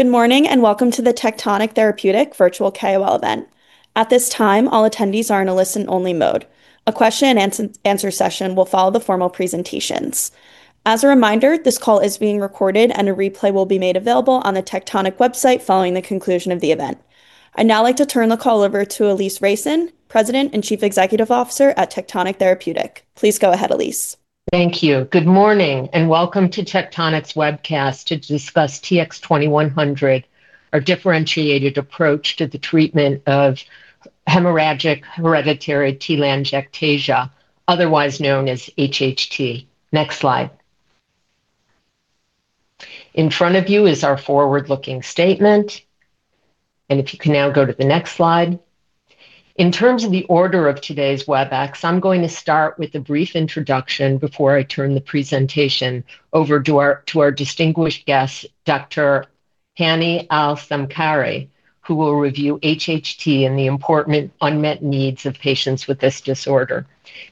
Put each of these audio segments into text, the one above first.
Good morning. Welcome to the Tectonic Therapeutic Virtual KOL event. At this time, all attendees are in a listen-only mode. A question and answer session will follow the formal presentations. As a reminder, this call is being recorded, and a replay will be made available on the Tectonic website following the conclusion of the event. I'd now like to turn the call over to Alise Reicin, President and Chief Executive Officer at Tectonic Therapeutic. Please go ahead, Alise. Thank you. Good morning and welcome to Tectonic's webcast to discuss TX2100, our differentiated approach to the treatment of Hereditary Hemorrhagic Telangiectasia, otherwise known as HHT. Next slide. In front of you is our forward-looking statement. If you can now go to the next slide. In terms of the order of today's Webex, I'm going to start with a brief introduction before I turn the presentation over to our distinguished guest, Dr. Hanny Al-Samkari, who will review HHT and the important unmet needs of patients with this disorder.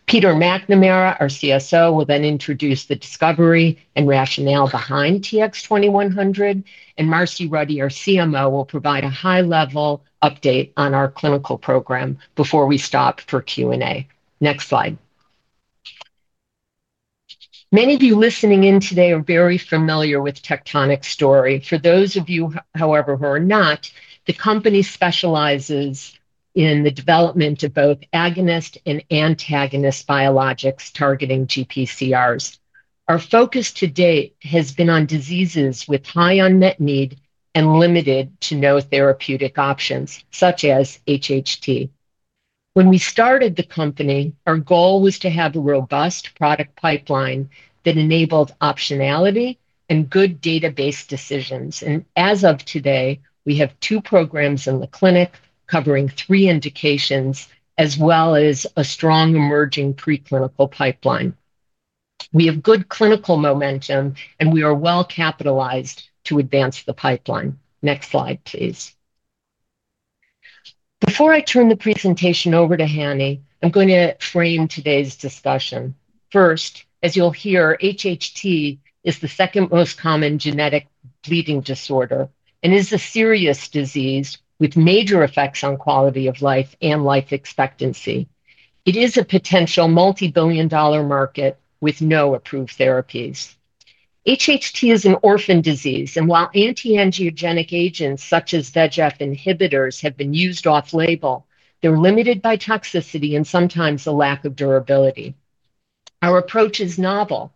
Peter McNamara, our CSO, will introduce the discovery and rationale behind TX2100. Marcie Ruddy, our CMO, will provide a high-level update on our clinical program before we stop for Q&A. Next slide. Many of you listening in today are very familiar with Tectonic's story. For those of you, however, who are not, the company specializes in the development of both agonist and antagonist biologics targeting GPCRs. Our focus to date has been on diseases with high unmet need and limited to no therapeutic options, such as HHT. When we started the company, our goal was to have a robust product pipeline that enabled optionality and good database decisions. As of today, we have 2 programs in the clinic covering 3 indications, as well as a strong emerging preclinical pipeline. We have good clinical momentum, and we are well-capitalized to advance the pipeline. Next slide, please. Before I turn the presentation over to Hanny, I'm going to frame today's discussion. First, as you'll hear, HHT is the second most common genetic bleeding disorder and is a serious disease with major effects on quality of life and life expectancy. It is a potential multi-billion dollar market with no approved therapies. HHT is an orphan disease, and while VEGF inhibitors have been used off-label, they're limited by toxicity and sometimes the lack of durability. Our approach is novel.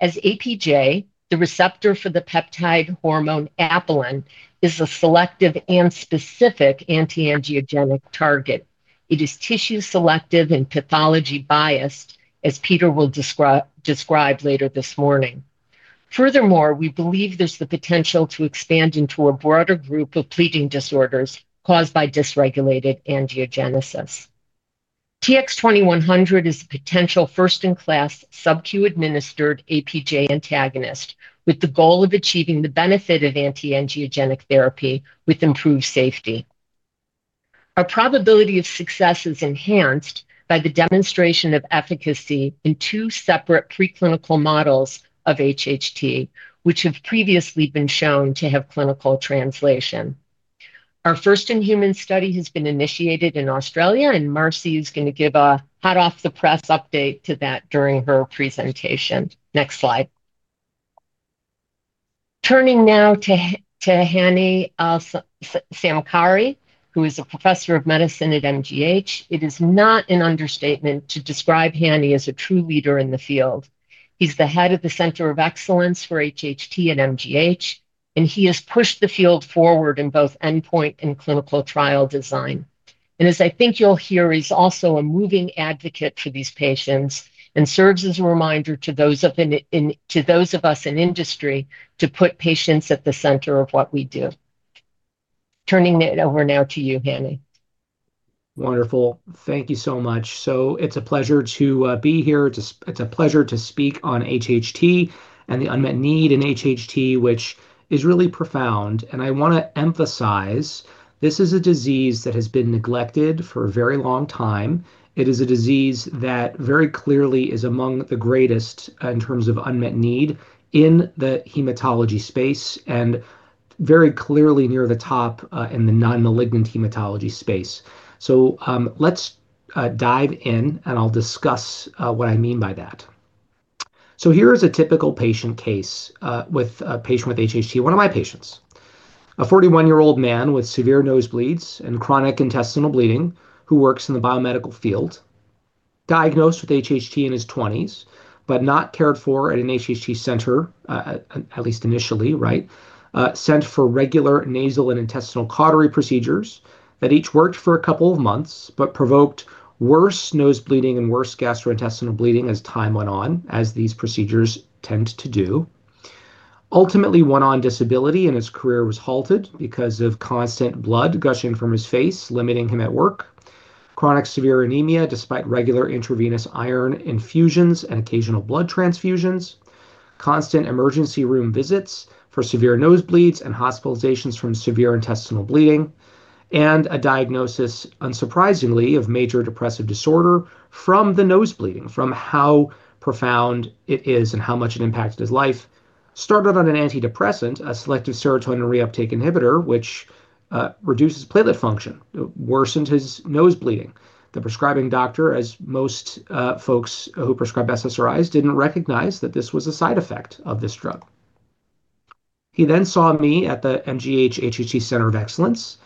As APJ, the receptor for the peptide hormone apelin is a selective and specific anti-angiogenic target. It is tissue-selective and pathology-biased, as Peter will describe later this morning. Furthermore, we believe there's the potential to expand into a broader group of bleeding disorders caused by dysregulated angiogenesis. TX2100 is a potential first-in-class subcu-administered APJ antagonist with the goal of achieving the benefit of anti-angiogenic therapy with improved safety. Our probability of success is enhanced by the demonstration of efficacy in two separate preclinical models of HHT, which have previously been shown to have clinical translation. Our first-in-human study has been initiated in Australia, and Marcie is going to give a hot-off-the-press update to that during her presentation. Next slide. Turning now to Hanny Al-Samkari, who is a professor of medicine at MGH, it is not an understatement to describe Hanny as a true leader in the field. He's the head of the HHT Center of Excellence at MGH, and he has pushed the field forward in both endpoint and clinical trial design. As I think you'll hear, he's also a moving advocate for these patients and serves as a reminder to those of us in industry to put patients at the center of what we do. Turning it over now to you, Hanny. Wonderful. Thank you so much. It's a pleasure to be here. It's a pleasure to speak on HHT and the unmet need in HHT, which is really profound. I want to emphasize, this is a disease that has been neglected for a very long time. It is a disease that very clearly is among the greatest in terms of unmet need in the hematology space and very clearly near the top in the non-malignant hematology space. Let's dive in, I'll discuss what I mean by that. Here is a typical patient case with a patient with HHT, one of my patients. A 41-year-old man with severe nosebleeds and chronic intestinal bleeding, who works in the biomedical field, diagnosed with HHT in his 20s, but not cared for at an HHT Center, at least initially, right? Sent for regular nasal and intestinal cautery procedures that each worked for a couple of months, but provoked worse nose bleeding and worse gastrointestinal bleeding as time went on, as these procedures tend to do. Ultimately, went on disability, and his career was halted because of constant blood gushing from his face, limiting him at work; chronic severe anemia, despite regular intravenous iron infusions and occasional blood transfusions; constant emergency room visits for severe nosebleeds and hospitalizations from severe intestinal bleeding; and a diagnosis, unsurprisingly, of Major Depressive Disorder from the nose bleeding, from how profound it is and how much it impacted his life.... started on an antidepressant, a selective serotonin reuptake inhibitor, which reduces platelet function. It worsened his nose bleeding. The prescribing doctor, as most folks who prescribe SSRIs, didn't recognize that this was a side effect of this drug. He then saw me at the MGH HHT Center of Excellence,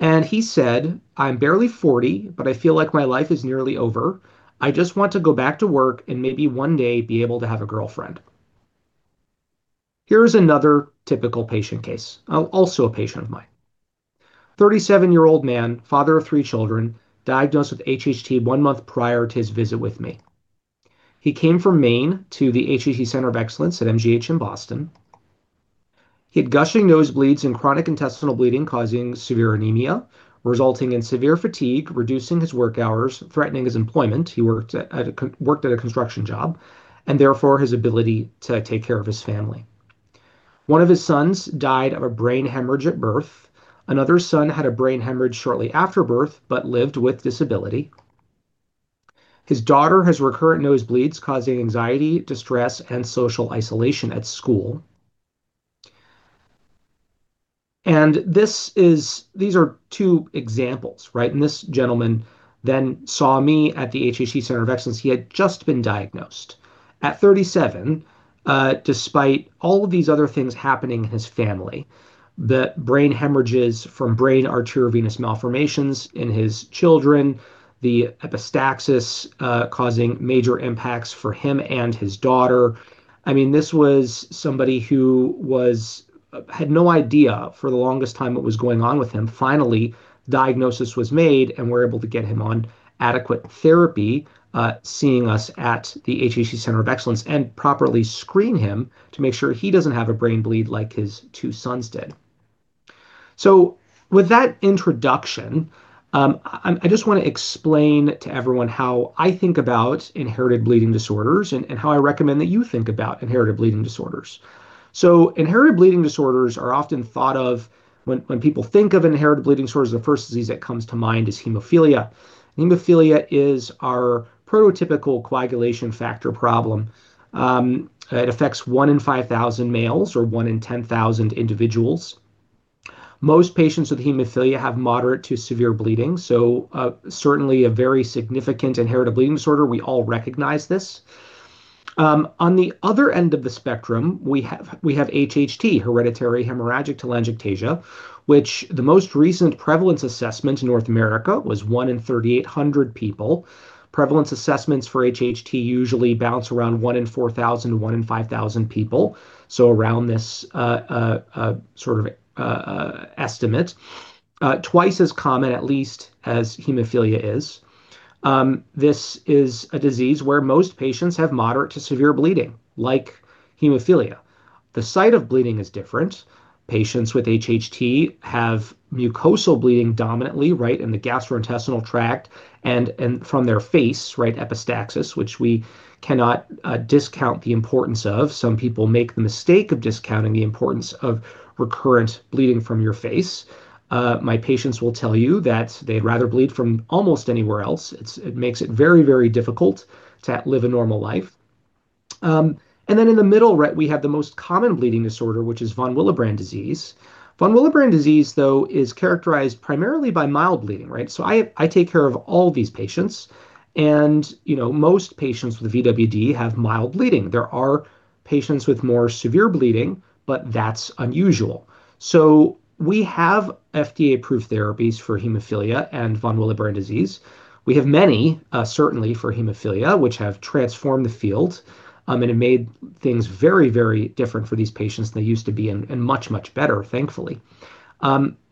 and he said, "I'm barely 40, but I feel like my life is nearly over. I just want to go back to work and maybe one day be able to have a girlfriend." Here's another typical patient case, also a patient of mine. 37-year-old man, father of three children, diagnosed with HHT 1 month prior to his visit with me. He came from Maine to the HHT Center of Excellence at MGH in Boston. He had gushing nosebleeds and chronic intestinal bleeding, causing severe anemia, resulting in severe fatigue, reducing his work hours, threatening his employment, he worked at a construction job, and therefore his ability to take care of his family. One of his sons died of a brain hemorrhage at birth. Another son had a brain hemorrhage shortly after birth but lived with disability. His daughter has recurrent nosebleeds, causing anxiety, distress, and social isolation at school. This is, these are two examples, right? This gentleman then saw me at the HHT Center of Excellence. He had just been diagnosed at 37, despite all of these other things happening in his family, the brain hemorrhages from brain arteriovenous malformations in his children, the epistaxis, causing major impacts for him and his daughter. I mean, this was somebody who was had no idea for the longest time what was going on with him. Finally, diagnosis was made, and we're able to get him on adequate therapy, seeing us at the HHT Center of Excellence and properly screen him to make sure he doesn't have a brain bleed like his two sons did. With that introduction, I just wanna explain to everyone how I think about inherited bleeding disorders and how I recommend that you think about inherited bleeding disorders. Inherited bleeding disorders are often thought of when people think of inherited bleeding disorders, the first disease that comes to mind is hemophilia. Hemophilia is our prototypical coagulation factor problem. It affects 1 in 5,000 males or 1 in 10,000 individuals. Most patients with hemophilia have moderate to severe bleeding, so certainly a very significant inherited bleeding disorder. We all recognize this. On the other end of the spectrum, we have HHT, Hereditary Hemorrhagic Telangiectasia, which the most recent prevalence assessment in North America was one in 3,800 people. Prevalence assessments for HHT usually bounce around one in 4,000 to one in 5,000 people, so around this sort of estimate, twice as common, at least, as hemophilia is. This is a disease where most patients have moderate to severe bleeding, like hemophilia. The site of bleeding is different. Patients with HHT have mucosal bleeding dominantly, right, in the gastrointestinal tract and from their face, right, epistaxis, which we cannot discount the importance of. Some people make the mistake of discounting the importance of recurrent bleeding from your face. My patients will tell you that they'd rather bleed from almost anywhere else. It makes it very, very difficult to live a normal life. In the middle, right, we have the most common bleeding disorder, which is von Willebrand disease. Von Willebrand disease, though, is characterized primarily by mild bleeding, right? I take care of all these patients, and, you know, most patients with VWD have mild bleeding. There are patients with more severe bleeding, but that's unusual. We have FDA-approved therapies for hemophilia and von Willebrand disease. We have many, certainly for hemophilia, which have transformed the field, and it made things very, very different for these patients than they used to be and much, much better, thankfully.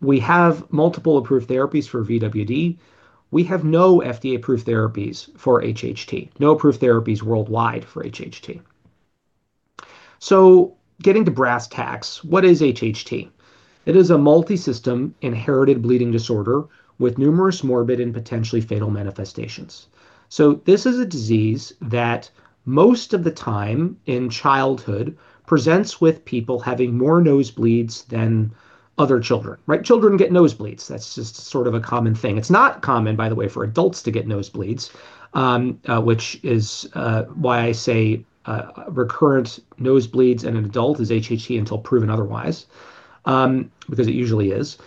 We have multiple approved therapies for VWD. We have no FDA-approved therapies for HHT, no approved therapies worldwide for HHT. Getting to brass tacks, what is HHT? It is a multisystem inherited bleeding disorder with numerous morbid and potentially fatal manifestations. This is a disease that, most of the time in childhood, presents with people having more nosebleeds than other children, right? Children get nosebleeds. That's just sort of a common thing. It's not common, by the way, for adults to get nosebleeds, which is why I say recurrent nosebleeds in an adult is HHT until proven otherwise, because it usually is.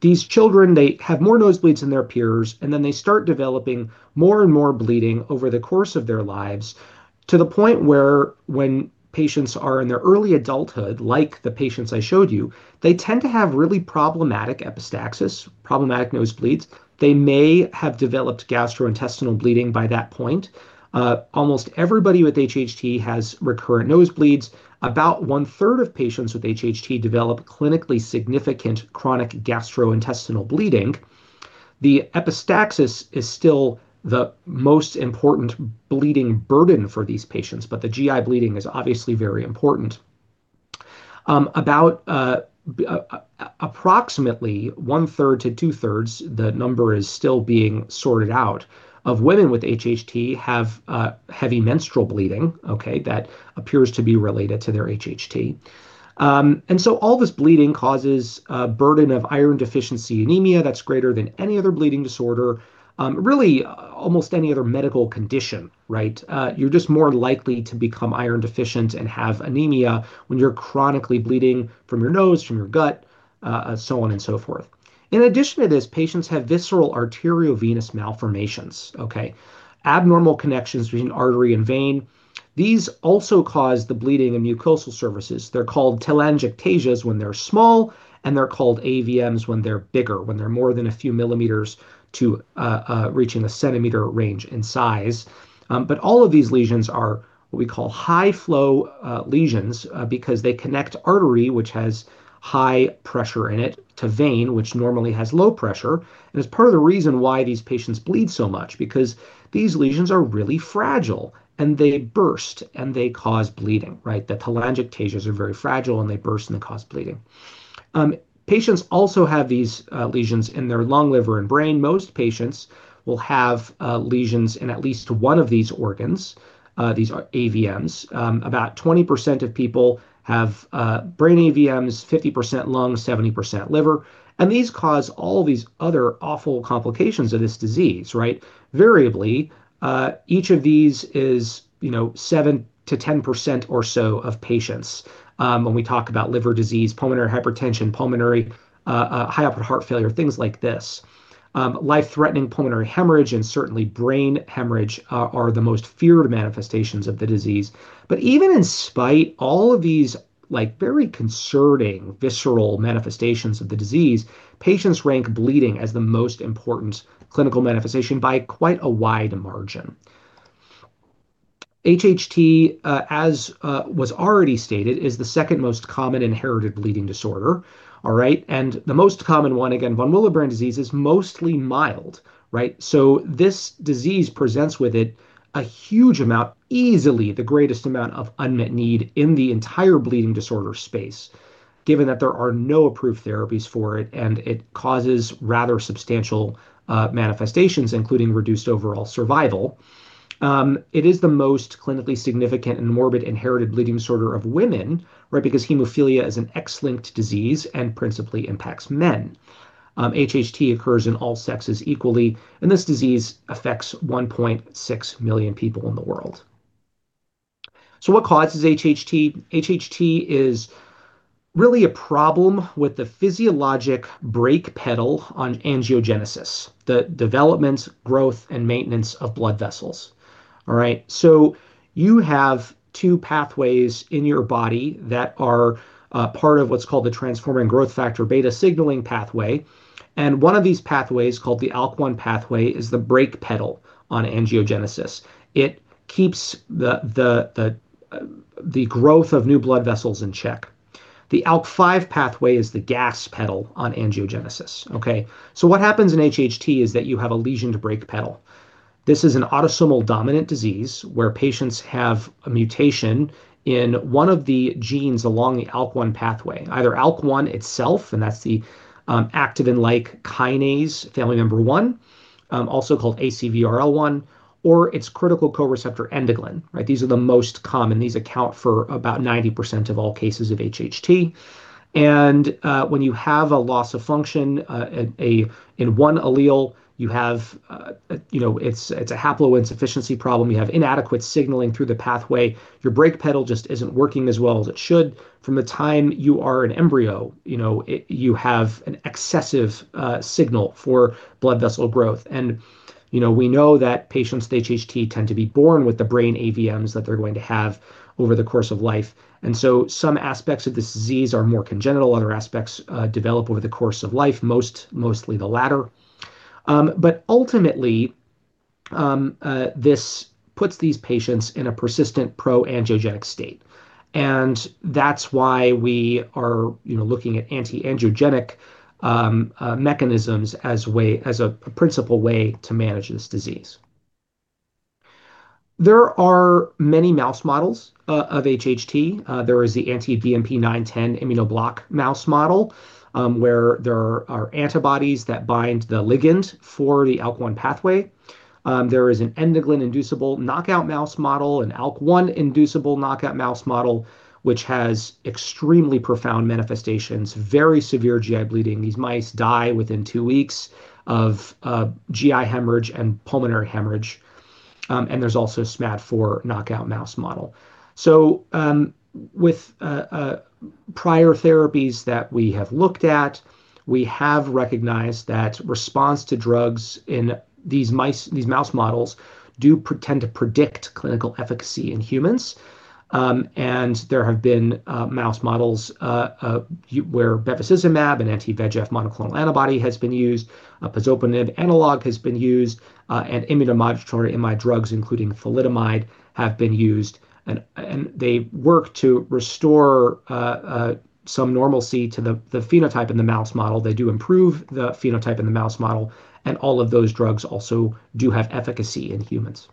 These children, they have more nosebleeds than their peers, and then they start developing more and more bleeding over the course of their lives to the point where when patients are in their early adulthood, like the patients I showed you, they tend to have really problematic epistaxis, problematic nosebleeds. They may have developed gastrointestinal bleeding by that point. Almost everybody with HHT has recurrent nosebleeds. About one-third of patients with HHT develop clinically significant chronic gastrointestinal bleeding. The epistaxis is still the most important bleeding burden for these patients, the GI bleeding is obviously very important. Approximately one-third to two-thirds, the number is still being sorted out, of women with HHT have heavy menstrual bleeding, okay, that appears to be related to their HHT. All this bleeding causes a burden of iron deficiency anemia that's greater than any other bleeding disorder, really almost any other medical condition, right? You're just more likely to become iron deficient and have anemia when you're chronically bleeding from your nose, from your gut, so on and so forth. In addition to this, patients have visceral arteriovenous malformations, okay? Abnormal connections between artery and vein. These also cause the bleeding of mucosal surfaces. They're called telangiectasias when they're small and they're called AVMs when they're bigger, when they're more than a few millimeters to reaching a centimeter range in size. All of these lesions are what we call high-flow lesions because they connect artery, which has high pressure in it, to vein, which normally has low pressure, and is part of the reason why these patients bleed so much, because these lesions are really fragile and they burst, and they cause bleeding, right? The telangiectasias are very fragile, and they burst and they cause bleeding. Patients also have these lesions in their lung, liver, and brain. Most patients will have lesions in at least one of these organs. These are AVMs. About 20% of people have brain AVMs, 50% lung, 70% liver, and these cause all these other awful complications of this disease, right? Variably, each of these is, you know, 7%-10% or so of patients, when we talk about liver disease, pulmonary hypertension, pulmonary high output heart failure, things like this. Life-threatening pulmonary hemorrhage and certainly brain hemorrhage are the most feared manifestations of the disease. Even in spite all of these, like, very concerning visceral manifestations of the disease, patients rank bleeding as the most important clinical manifestation by quite a wide margin. HHT, as was already stated, is the second most common inherited bleeding disorder, all right? The most common one, again, von Willebrand disease, is mostly mild, right? This disease presents with it a huge amount, easily the greatest amount of unmet need in the entire bleeding disorder space, given that there are no approved therapies for it, and it causes rather substantial manifestations, including reduced overall survival. It is the most clinically significant and morbid inherited bleeding disorder of women, right? Because hemophilia is an X-linked disease and principally impacts men. HHT occurs in all sexes equally, and this disease affects 1.6 million people in the world. What causes HHT? HHT is really a problem with the physiologic brake pedal on angiogenesis, the development, growth, and maintenance of blood vessels. You have two pathways in your body that are part of what's called the transforming growth factor-beta signaling pathway, and one of these pathways, called the ALK1 pathway, is the brake pedal on angiogenesis. It keeps the growth of new blood vessels in check. The ALK5 pathway is the gas pedal on angiogenesis. What happens in HHT is that you have a lesioned brake pedal. This is an autosomal dominant disease, where patients have a mutation in one of the genes along the ALK1 pathway, either ALK1 itself, and that's the activin-like kinase, family member one, also called ACVRL1, or its critical co-receptor endoglin, right? These are the most common. These account for about 90% of all cases of HHT. When you have a loss of function in one allele, you have, you know, it's a haploinsufficiency problem. You have inadequate signaling through the pathway. Your brake pedal just isn't working as well as it should. From the time you are an embryo, you know, you have an excessive signal for blood vessel growth. You know, we know that patients with HHT tend to be born with the brain AVMs that they're going to have over the course of life, some aspects of this disease are more congenital. Other aspects develop over the course of life, mostly the latter. Ultimately, this puts these patients in a persistent pro-angiogenic state, that's why we are, you know, looking at anti-angiogenic mechanisms as a principal way to manage this disease. There are many mouse models of HHT. There is the anti-BMP9/10 immunoblock mouse model, where there are antibodies that bind the ligand for the ALK1 pathway. There is an endoglin-inducible knockout mouse model, an ALK1 inducible knockout mouse model, which has extremely profound manifestations, very severe GI bleeding. These mice die within two weeks of GI hemorrhage and pulmonary hemorrhage. There's also SMAD4 knockout mouse model. With prior therapies that we have looked at, we have recognized that response to drugs in these mice, these mouse models do tend to predict clinical efficacy in humans. There have been mouse models where bevacizumab, an anti-VEGF monoclonal antibody, has been used, a pazopanib analog has been used, and immunomodulatory IMiD drugs, including thalidomide, have been used. They work to restore some normalcy to the phenotype in the mouse model. They do improve the phenotype in the mouse model, and all of those drugs also do have efficacy in humans.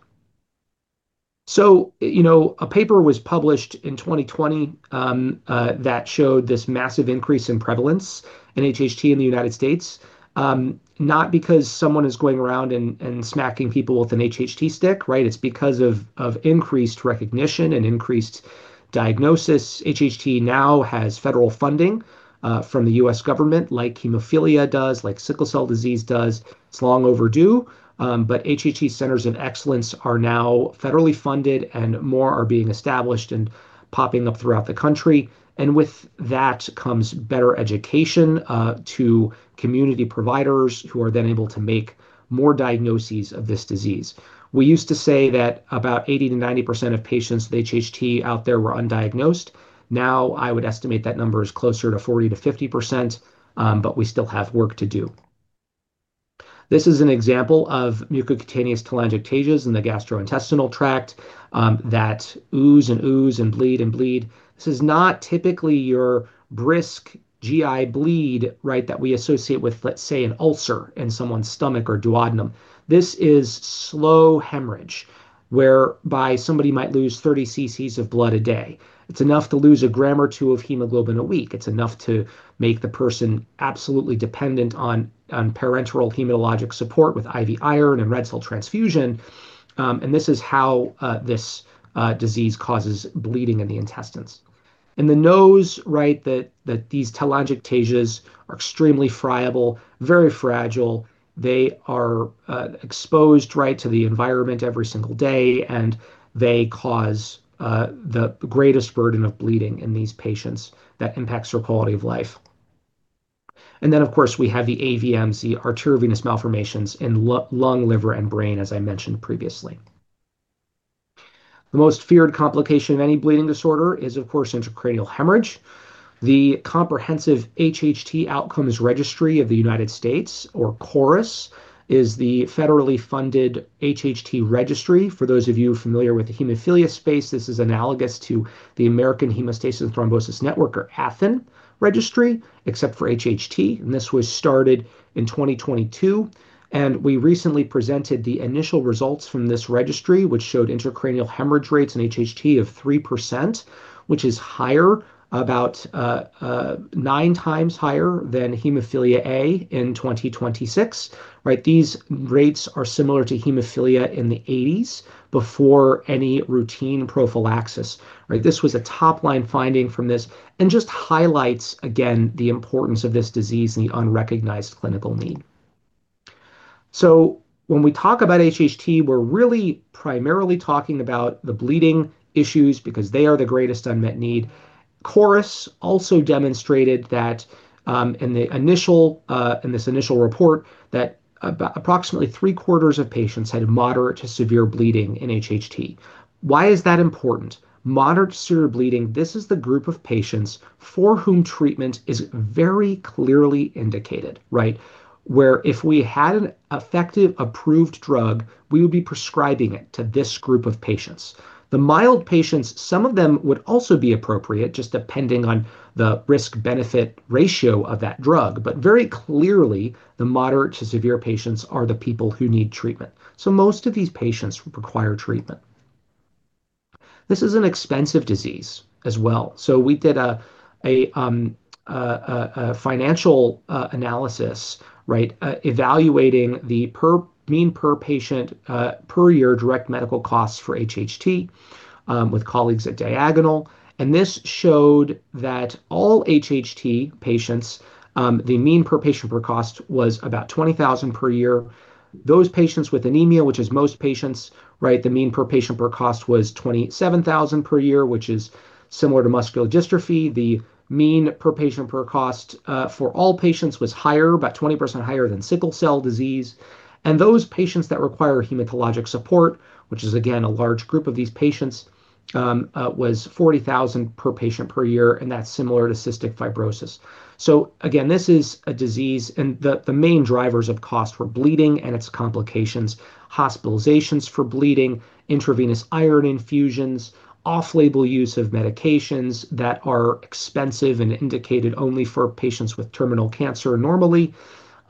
You know, a paper was published in 2020 that showed this massive increase in prevalence in HHT in the United States, not because someone is going around and smacking people with an HHT stick, right? It's because of increased recognition and increased diagnosis. HHT now has federal funding from the U.S. government, like hemophilia does, like sickle cell disease does. It's long overdue, HHT Centers of Excellence are now federally funded, and more are being established and popping up throughout the country, and with that comes better education to community providers, who are then able to make more diagnoses of this disease. We used to say that about 80%-90% of patients with HHT out there were undiagnosed. Now, I would estimate that number is closer to 40%-50%. We still have work to do. This is an example of mucocutaneous telangiectasias in the gastrointestinal tract that ooze and bleed. This is not typically your brisk GI bleed, right, that we associate with, let's say, an ulcer in someone's stomach or duodenum. This is slow hemorrhage, whereby somebody might lose 30 cc of blood a day. It's enough to lose a gram or two of hemoglobin a week. It's enough to make the person absolutely dependent on parenteral hematologic support with IV iron and red cell transfusion. This is how this disease causes bleeding in the intestines. In the nose, these telangiectasias are extremely friable, very fragile. They are exposed to the environment every single day, they cause the greatest burden of bleeding in these patients that impacts their quality of life. Of course, we have the AVM, the arteriovenous malformations, in lung, liver, and brain, as I mentioned previously. The most feared complication of any bleeding disorder is, of course, intracranial hemorrhage. The Comprehensive HHT Outcomes Registry of the United States, or CHORUS, is the federally funded HHT registry. For those of you familiar with the hemophilia space, this is analogous to the American Thrombosis and Hemostasis Network, or ATHN registry, except for HHT, this was started in 2022. We recently presented the initial results from this registry, which showed intracranial hemorrhage rates in HHT of 3%, which is higher, about nine times higher than hemophilia A in 2026, right? These rates are similar to hemophilia in the 80s, before any routine prophylaxis, right? This was a top-line finding from this and just highlights, again, the importance of this disease and the unrecognized clinical need. When we talk about HHT, we're really primarily talking about the bleeding issues because they are the greatest unmet need. CHORUS also demonstrated that in the initial, in this initial report, that approximately three-quarters of patients had moderate to severe bleeding in HHT. Why is that important? Moderate to severe bleeding, this is the group of patients for whom treatment is very clearly indicated, right? Where if we had an effective, approved drug, we would be prescribing it to this group of patients. The mild patients, some of them would also be appropriate, just depending on the risk-benefit ratio of that drug. Very clearly, the moderate to severe patients are the people who need treatment, so most of these patients require treatment. This is an expensive disease as well. We did a financial analysis evaluating the mean per patient per year direct medical costs for HHT with colleagues at Diagonal, and this showed that all HHT patients, the mean per patient per cost was about $20,000 per year. Those patients with anemia, which is most patients, the mean per patient per cost was $27,000 per year, which is similar to muscular dystrophy. The mean per patient per cost for all patients was higher, about 20% higher than sickle cell disease. Those patients that require hematologic support, which is again, a large group of these patients, was $40,000 per patient per year, and that's similar to cystic fibrosis. Again, this is a disease, and the main drivers of cost were bleeding and its complications, hospitalizations for bleeding, intravenous iron infusions, off-label use of medications that are expensive and indicated only for patients with terminal cancer normally,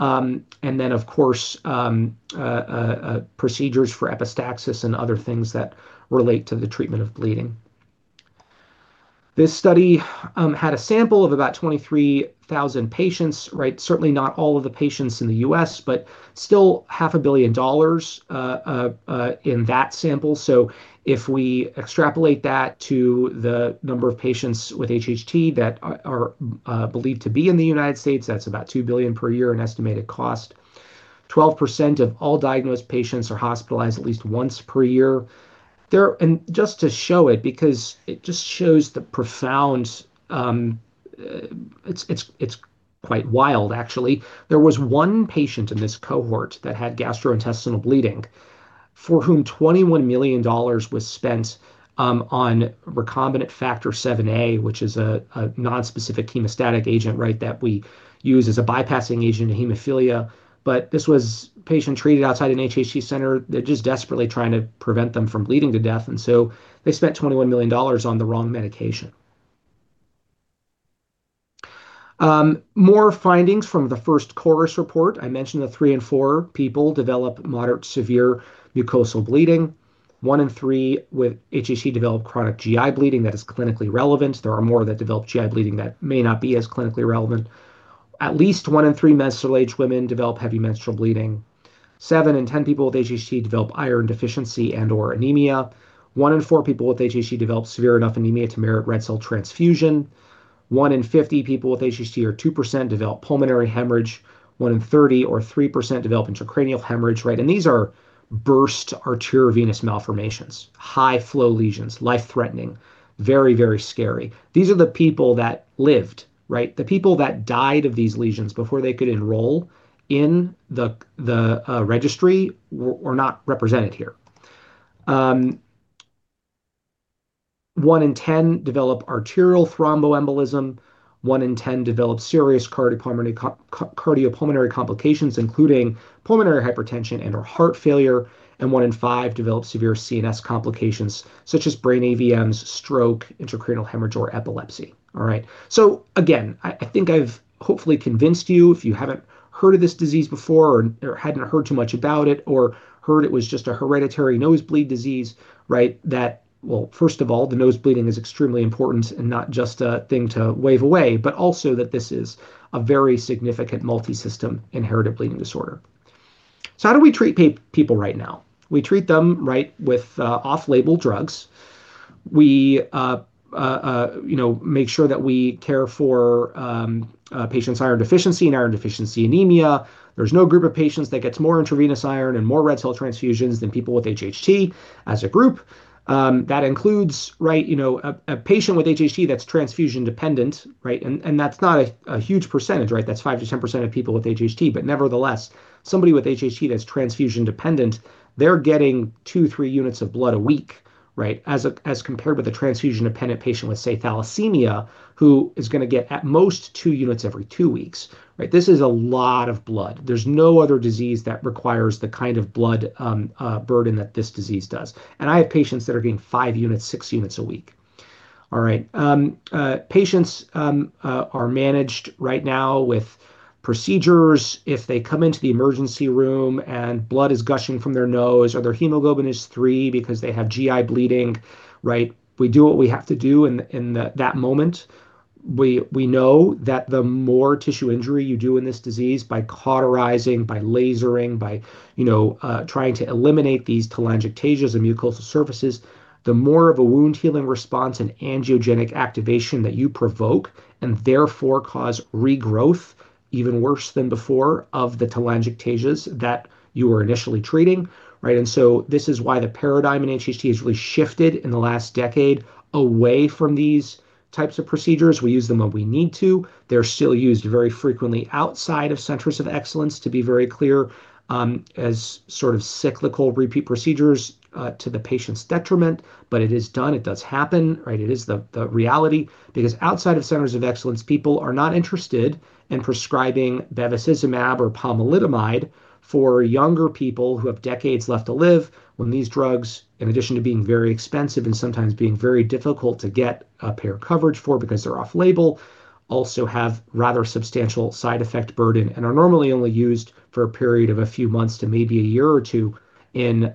and then, of course, procedures for epistaxis and other things that relate to the treatment of bleeding. This study had a sample of about 23,000 patients, right? Certainly not all of the patients in the U.S., still half a billion dollars in that sample. If we extrapolate that to the number of patients with HHT that are believed to be in the United States, that's about $2 billion per year in estimated cost. 12% of all diagnosed patients are hospitalized at least once per year. Just to show it, because it just shows the profound. It's quite wild, actually. There was one patient in this cohort that had gastrointestinal bleeding, for whom $21 million was spent on recombinant factor VIIa, which is a nonspecific hemostatic agent, right, that we use as a bypassing agent in hemophilia, but this was a patient treated outside an HHT Center. They're just desperately trying to prevent them from bleeding to death, they spent $21 million on the wrong medication. More findings from the first CHORUS report. I mentioned that three in four people develop moderate to severe mucosal bleeding. One in three with HHT develop chronic GI bleeding that is clinically relevant. There are more that develop GI bleeding that may not be as clinically relevant. At least one in three menopausal-age women develop heavy menstrual bleeding. seven in 10 people with HHT develop iron deficiency and/or anemia. One in four people with HHT develop severe enough anemia to merit red cell transfusion. One in 50 people with HHT, or 2%, develop pulmonary hemorrhage. One in 30, or 3%, develop intracranial hemorrhage, right? These are burst arteriovenous malformations, high-flow lesions, life-threatening, very, very scary. These are the people that lived, right? The people that died of these lesions before they could enroll in the registry were not represented here. One in 10 develop arterial thromboembolism, one in 10 develop serious cardiopulmonary complications, including pulmonary hypertension and/or heart failure, and one in five develop severe CNS complications, such as brain AVMs, stroke, intracranial hemorrhage, or epilepsy. All right? Again, I think I've hopefully convinced you, if you haven't heard of this disease before or hadn't heard too much about it, or heard it was just a hereditary nosebleed disease, right, that, well, first of all, the nose bleeding is extremely important and not just a thing to wave away, but also that this is a very significant multisystem inherited bleeding disorder. How do we treat people right now? We treat them, right, with off-label drugs. We, you know, make sure that we care for patients' iron deficiency and iron deficiency anemia. There's no group of patients that gets more intravenous iron and more red cell transfusions than people with HHT as a group. That includes, right, you know, a patient with HHT that's transfusion-dependent, right? That's not a huge percentage, right? That's 5%-10% of people with HHT, but nevertheless, somebody with HHT that's transfusion dependent, they're getting two, three units of blood a week, right, as compared with a transfusion-dependent patient with, say, thalassemia, who is gonna get at most two units every two weeks, right? This is a lot of blood. There's no other disease that requires the kind of blood burden that this disease does, and I have patients that are getting five units, six units a week. All right. Patients are managed right now with procedures. If they come into the emergency room and blood is gushing from their nose, or their hemoglobin is three because they have GI bleeding, right, we do what we have to do in that moment. We know that the more tissue injury you do in this disease by cauterizing, by lasering, by, you know, trying to eliminate these telangiectasias and mucosal surfaces, the more of a wound-healing response and angiogenic activation that you provoke, and therefore cause regrowth even worse than before of the telangiectasias that you were initially treating, right? This is why the paradigm in HHT has really shifted in the last decade away from these types of procedures. We use them when we need to. They're still used very frequently outside of centers of excellence, to be very clear, as sort of cyclical repeat procedures to the patient's detriment. It is done. It does happen, right? It is the reality, because outside of HHT Centers of Excellence, people are not interested in prescribing bevacizumab or pomalidomide for younger people who have decades left to live, when these drugs, in addition to being very expensive and sometimes being very difficult to get payer coverage for because they're off label, also have rather substantial side effect burden and are normally only used for a period of a few months to maybe a year or two in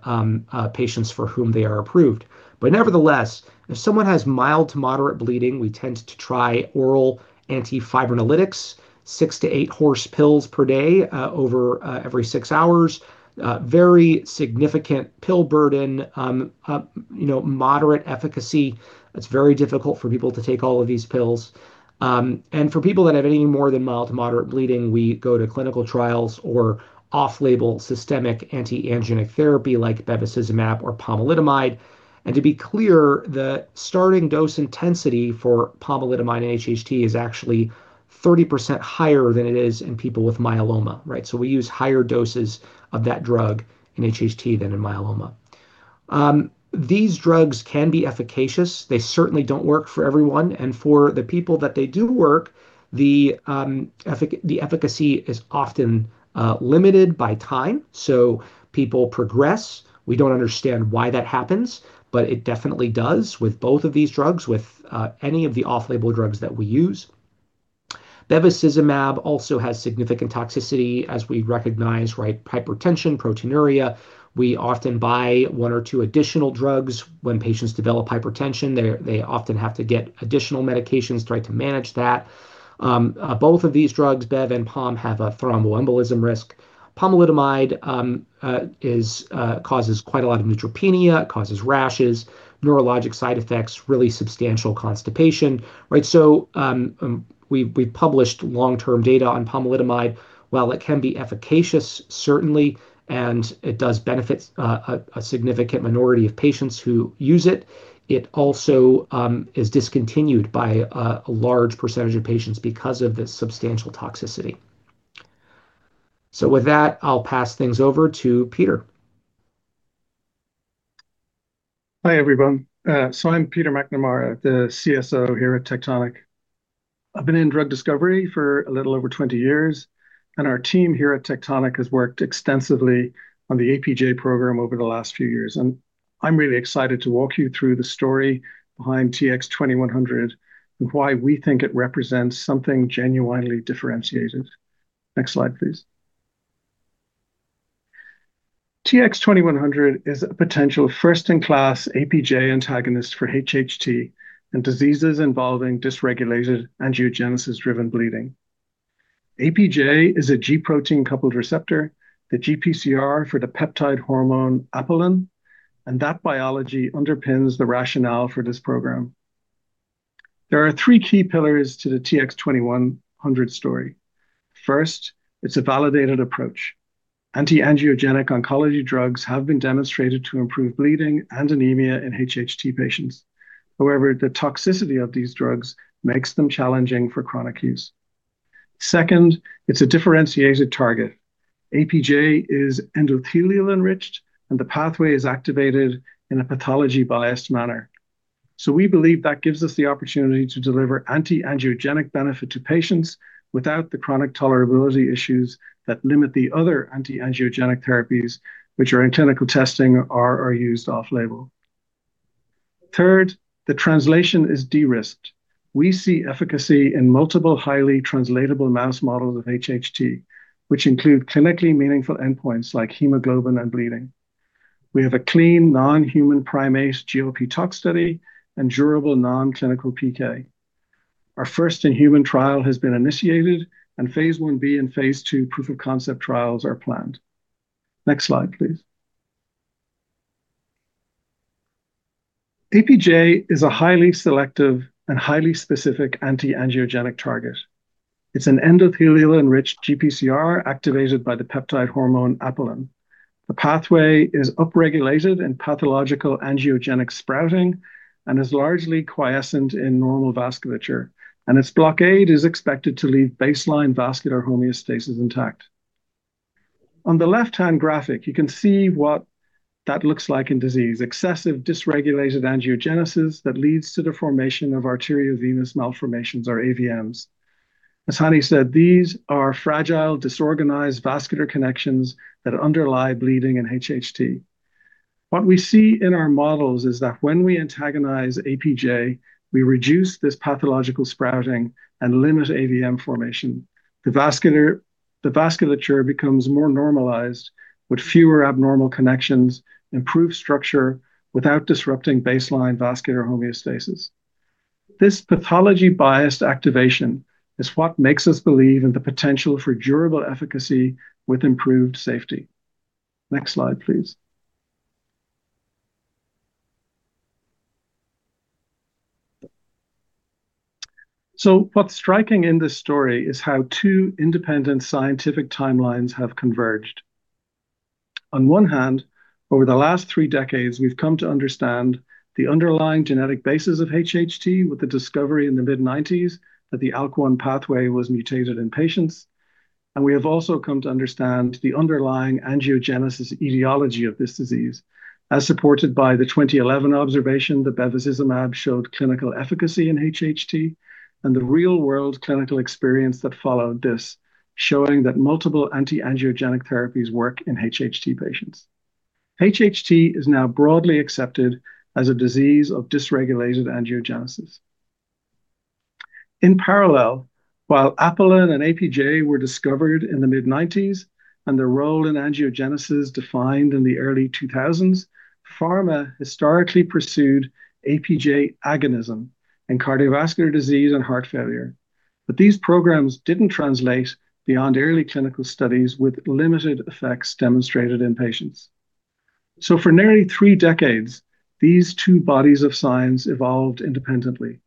patients for whom they are approved. Nevertheless, if someone has mild to moderate bleeding, we tend to try oral antifibrinolytics, 6-8 horse pills per day, over every 6 hours. Very significant pill burden. You know, moderate efficacy. It's very difficult for people to take all of these pills. For people that have anything more than mild to moderate bleeding, we go to clinical trials or off-label systemic anti-angiogenic therapy like bevacizumab or pomalidomide. To be clear, the starting dose intensity for pomalidomide in HHT is actually 30% higher than it is in people with myeloma, right? We use higher doses of that drug in HHT than in myeloma. These drugs can be efficacious. They certainly don't work for everyone, and for the people that they do work, the efficacy is often limited by time, so people progress. We don't understand why that happens, but it definitely does with both of these drugs, with any of the off-label drugs that we use. Bevacizumab also has significant toxicity, as we recognize, right? Hypertension, proteinuria. We often buy one or two additional drugs when patients develop hypertension. They often have to get additional medications to try to manage that. Both of these drugs, Bev and Pom, have a thromboembolism risk. Pomalidomide causes quite a lot of neutropenia, causes rashes, neurologic side effects, really substantial constipation, right? We've published long-term data on pomalidomide. While it can be efficacious, certainly, and it does benefit a significant minority of patients who use it also is discontinued by a large percentage of patients because of this substantial toxicity. With that, I'll pass things over to Peter. Hi, everyone. I'm Peter McNamara, the CSO here at Tectonic. I've been in drug discovery for a little over 20 years. Our team here at Tectonic has worked extensively on the APJ program over the last few years. I'm really excited to walk you through the story behind TX-2100 and why we think it represents something genuinely differentiated. Next slide, please. TX-2100 is a potential first-in-class APJ antagonist for HHT and diseases involving dysregulated angiogenesis-driven bleeding. APJ is a G-protein-coupled receptor, the GPCR for the peptide hormone apelin. That biology underpins the rationale for this program. There are three key pillars to the TX-2100 story. First, it's a validated approach. Anti-angiogenic oncology drugs have been demonstrated to improve bleeding and anemia in HHT patients. However, the toxicity of these drugs makes them challenging for chronic use. Second, it's a differentiated target. APJ is endothelial-enriched. The pathway is activated in a pathology-biased manner. We believe that gives us the opportunity to deliver anti-angiogenic benefit to patients without the chronic tolerability issues that limit the other anti-angiogenic therapies, which are in clinical testing or used off-label. Third, the translation is de-risked. We see efficacy in multiple highly translatable mouse models of HHT, which include clinically meaningful endpoints like hemoglobin and bleeding. We have a clean, non-human primate GLP tox study and durable non-clinical PK. Our first-in-human trial has been initiated, and phase Ib and phase II proof of concept trials are planned. Next slide, please. APJ is a highly selective and highly specific anti-angiogenic target. It's an endothelial-enriched GPCR activated by the peptide hormone apelin. The pathway is upregulated in pathological angiogenic sprouting and is largely quiescent in normal vasculature, its blockade is expected to leave baseline vascular homeostasis intact. On the left-hand graphic, you can see what that looks like in disease. Excessive dysregulated angiogenesis that leads to the formation of arteriovenous malformations or AVMs. As Hanny said, these are fragile, disorganized vascular connections that underlie bleeding in HHT. What we see in our models is that when we antagonize APJ, we reduce this pathological sprouting and limit AVM formation. The vasculature becomes more normalized with fewer abnormal connections, improved structure, without disrupting baseline vascular homeostasis. This pathology-biased activation is what makes us believe in the potential for durable efficacy with improved safety. Next slide, please. What's striking in this story is how two independent scientific timelines have converged. Over the last three decades, we've come to understand the underlying genetic basis of HHT with the discovery in the mid-90s that the ALK1 pathway was mutated in patients. We have also come to understand the underlying angiogenesis etiology of this disease, as supported by the 2011 observation that bevacizumab showed clinical efficacy in HHT, and the real-world clinical experience that followed this, showing that multiple anti-angiogenic therapies work in HHT patients. HHT is now broadly accepted as a disease of dysregulated angiogenesis. In parallel, while apelin and APJ were discovered in the mid-90s and their role in angiogenesis defined in the early 2000s, pharma historically pursued APJ agonism in cardiovascular disease and heart failure. These programs didn't translate beyond early clinical studies with limited effects demonstrated in patients. For nearly three decades, these two bodies of science evolved independently.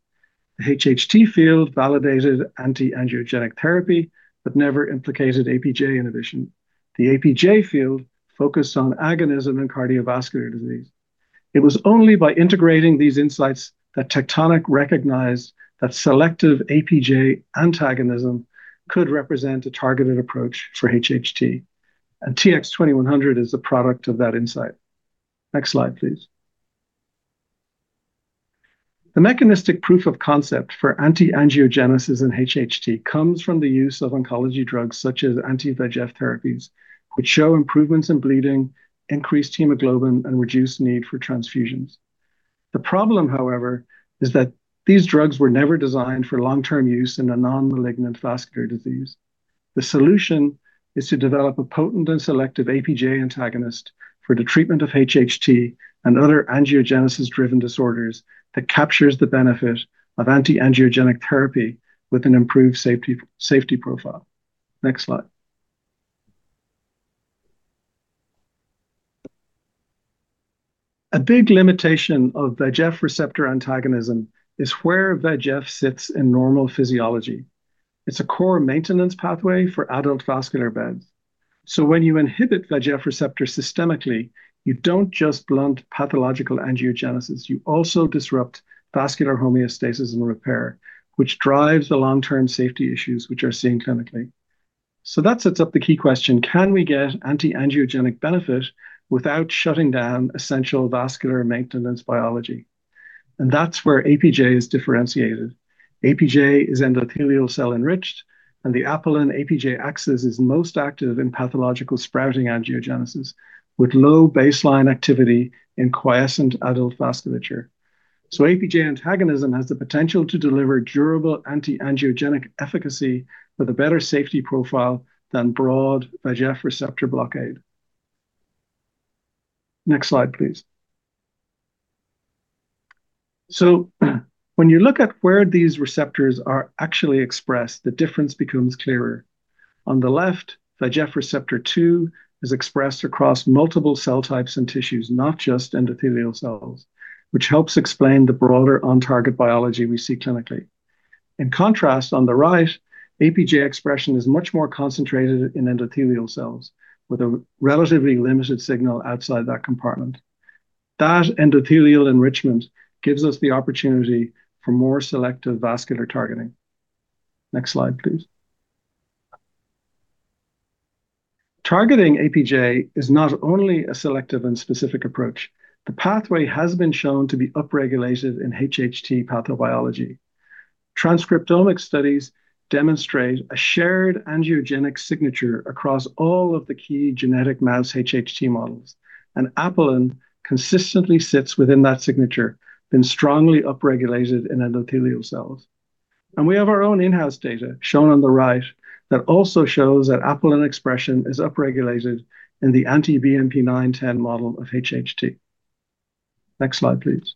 The HHT field validated anti-angiogenic therapy but never implicated APJ inhibition. The APJ field focused on agonism and cardiovascular disease. It was only by integrating these insights that Tectonic recognized that selective APJ antagonism could represent a targeted approach for HHT, and TX-2100 is the product of that insight. Next slide, please. The mechanistic proof of concept for anti-angiogenesis in HHT comes from the use of oncology drugs such as anti-VEGF therapies, which show improvements in bleeding, increased hemoglobin, and reduced need for transfusions. The problem, however, is that these drugs were never designed for long-term use in a non-malignant vascular disease. The solution is to develop a potent and selective APJ antagonist for the treatment of HHT and other angiogenesis-driven disorders that captures the benefit of anti-angiogenic therapy with an improved safety profile. Next slide. A big limitation of VEGF receptor antagonism is where VEGF sits in normal physiology. It's a core maintenance pathway for adult vascular beds. When you inhibit VEGF receptor systemically, you don't just blunt pathological angiogenesis, you also disrupt vascular homeostasis and repair, which drives the long-term safety issues which are seen clinically. That sets up the key question: Can we get anti-angiogenic benefit without shutting down essential vascular maintenance biology? That's where APJ is differentiated. APJ is endothelial cell-enriched, and the apelin APJ axis is most active in pathological sprouting angiogenesis, with low baseline activity in quiescent adult vasculature. APJ antagonism has the potential to deliver durable anti-angiogenic efficacy with a better safety profile than broad VEGF receptor blockade. Next slide, please. When you look at where these receptors are actually expressed, the difference becomes clearer. On the left, VEGF receptor 2 is expressed across multiple cell types and tissues, not just endothelial cells, which helps explain the broader on-target biology we see clinically. In contrast, on the right, APJ expression is much more concentrated in endothelial cells, with a relatively limited signal outside that compartment. That endothelial enrichment gives us the opportunity for more selective vascular targeting. Next slide, please. Targeting APJ is not only a selective and specific approach. The pathway has been shown to be upregulated in HHT pathobiology. Transcriptomic studies demonstrate a shared angiogenic signature across all of the key genetic mouse HHT models, and apelin consistently sits within that signature, then strongly upregulated in endothelial cells. We have our own in-house data, shown on the right, that also shows that apelin expression is upregulated in the anti-BMP9/10 model of HHT. Next slide, please.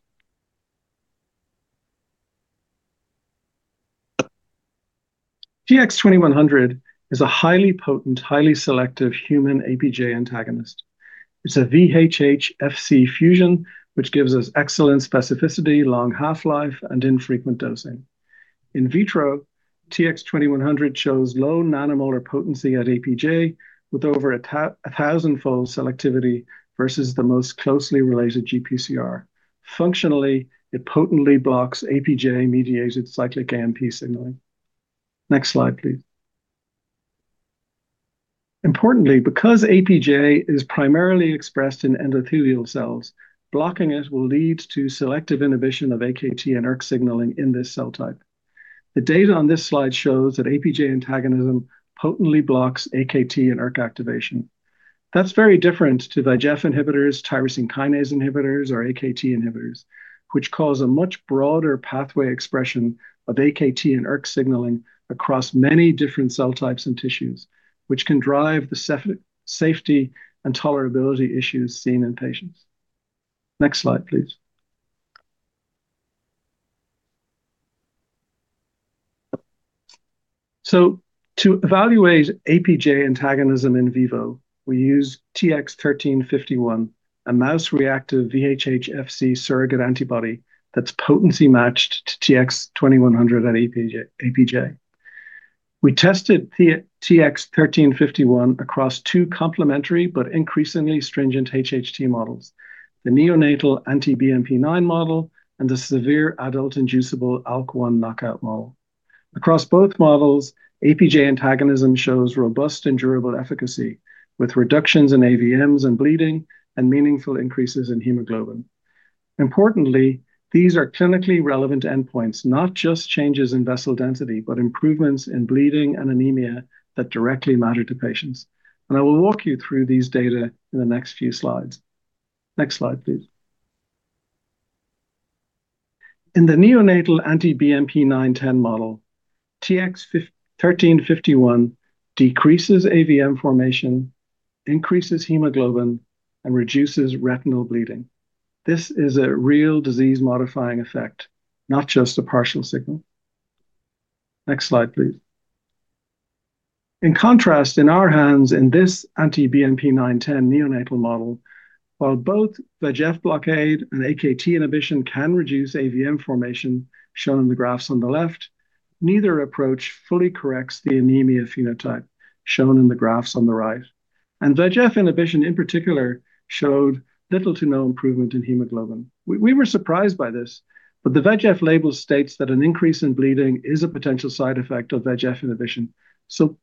TX2100 is a highly potent, highly selective human APJ antagonist. It's a VHH-Fc fusion, which gives us excellent specificity, long half-life, and infrequent dosing. In vitro, TX2100 shows low nanomolar potency at APJ, with over a thousand-fold selectivity versus the most closely related GPCR. Functionally, it potently blocks APJ-mediated cyclic AMP signaling. Next slide, please. Importantly, because APJ is primarily expressed in endothelial cells, blocking it will lead to selective inhibition of AKT and ERK signaling in this cell type. The data on this slide shows that APJ antagonism potently blocks AKT and ERK activation. That's very different to VEGF inhibitors, tyrosine kinase inhibitors, or AKT inhibitors, which cause a much broader pathway expression of AKT and ERK signaling across many different cell types and tissues, which can drive the safety and tolerability issues seen in patients. Next slide, please. To evaluate APJ antagonism in vivo, we use TX1351, a mouse-reactive VHH-Fc surrogate antibody that's potency-matched to TX2100 at APJ. We tested the TX1351 across two complementary but increasingly stringent HHT models: the neonatal anti-BMP9 model and the severe adult inducible ALK1 knockout model. Across both models, APJ antagonism shows robust and durable efficacy, with reductions in AVMs and bleeding, and meaningful increases in hemoglobin. Importantly, these are clinically relevant endpoints, not just changes in vessel density, but improvements in bleeding and anemia that directly matter to patients, and I will walk you through these data in the next few slides. Next slide, please. In the neonatal anti-BMP9/10 model, TX1351 decreases AVM formation, increases hemoglobin, and reduces retinal bleeding. This is a real disease-modifying effect, not just a partial signal. Next slide, please. In contrast, in our hands, in this anti-BMP9/10 neonatal model, while both VEGF blockade and AKT inhibition can reduce AVM formation, shown in the graphs on the left, neither approach fully corrects the anemia phenotype, shown in the graphs on the right. VEGF inhibition, in particular, showed little to no improvement in hemoglobin. We were surprised by this, but the VEGF label states that an increase in bleeding is a potential side effect of VEGF inhibition, so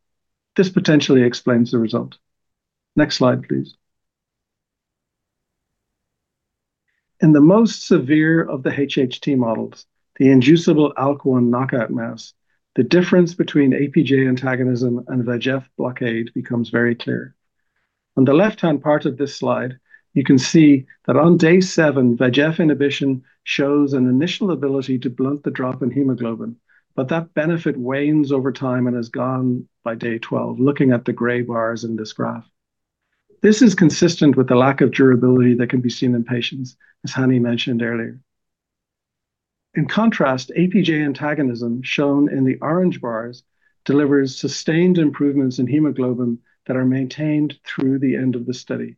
this potentially explains the result. Next slide, please. In the most severe of the HHT models, the inducible ALK1 knockout mouse, the difference between APJ antagonism and VEGF blockade becomes very clear. On the left-hand part of this slide, you can see that on day 7, VEGF inhibition shows an initial ability to blunt the drop in hemoglobin, but that benefit wanes over time and is gone by day 12, looking at the gray bars in this graph. This is consistent with the lack of durability that can be seen in patients, as Hanny mentioned earlier. In contrast, APJ antagonism, shown in the orange bars, delivers sustained improvements in hemoglobin that are maintained through the end of the study.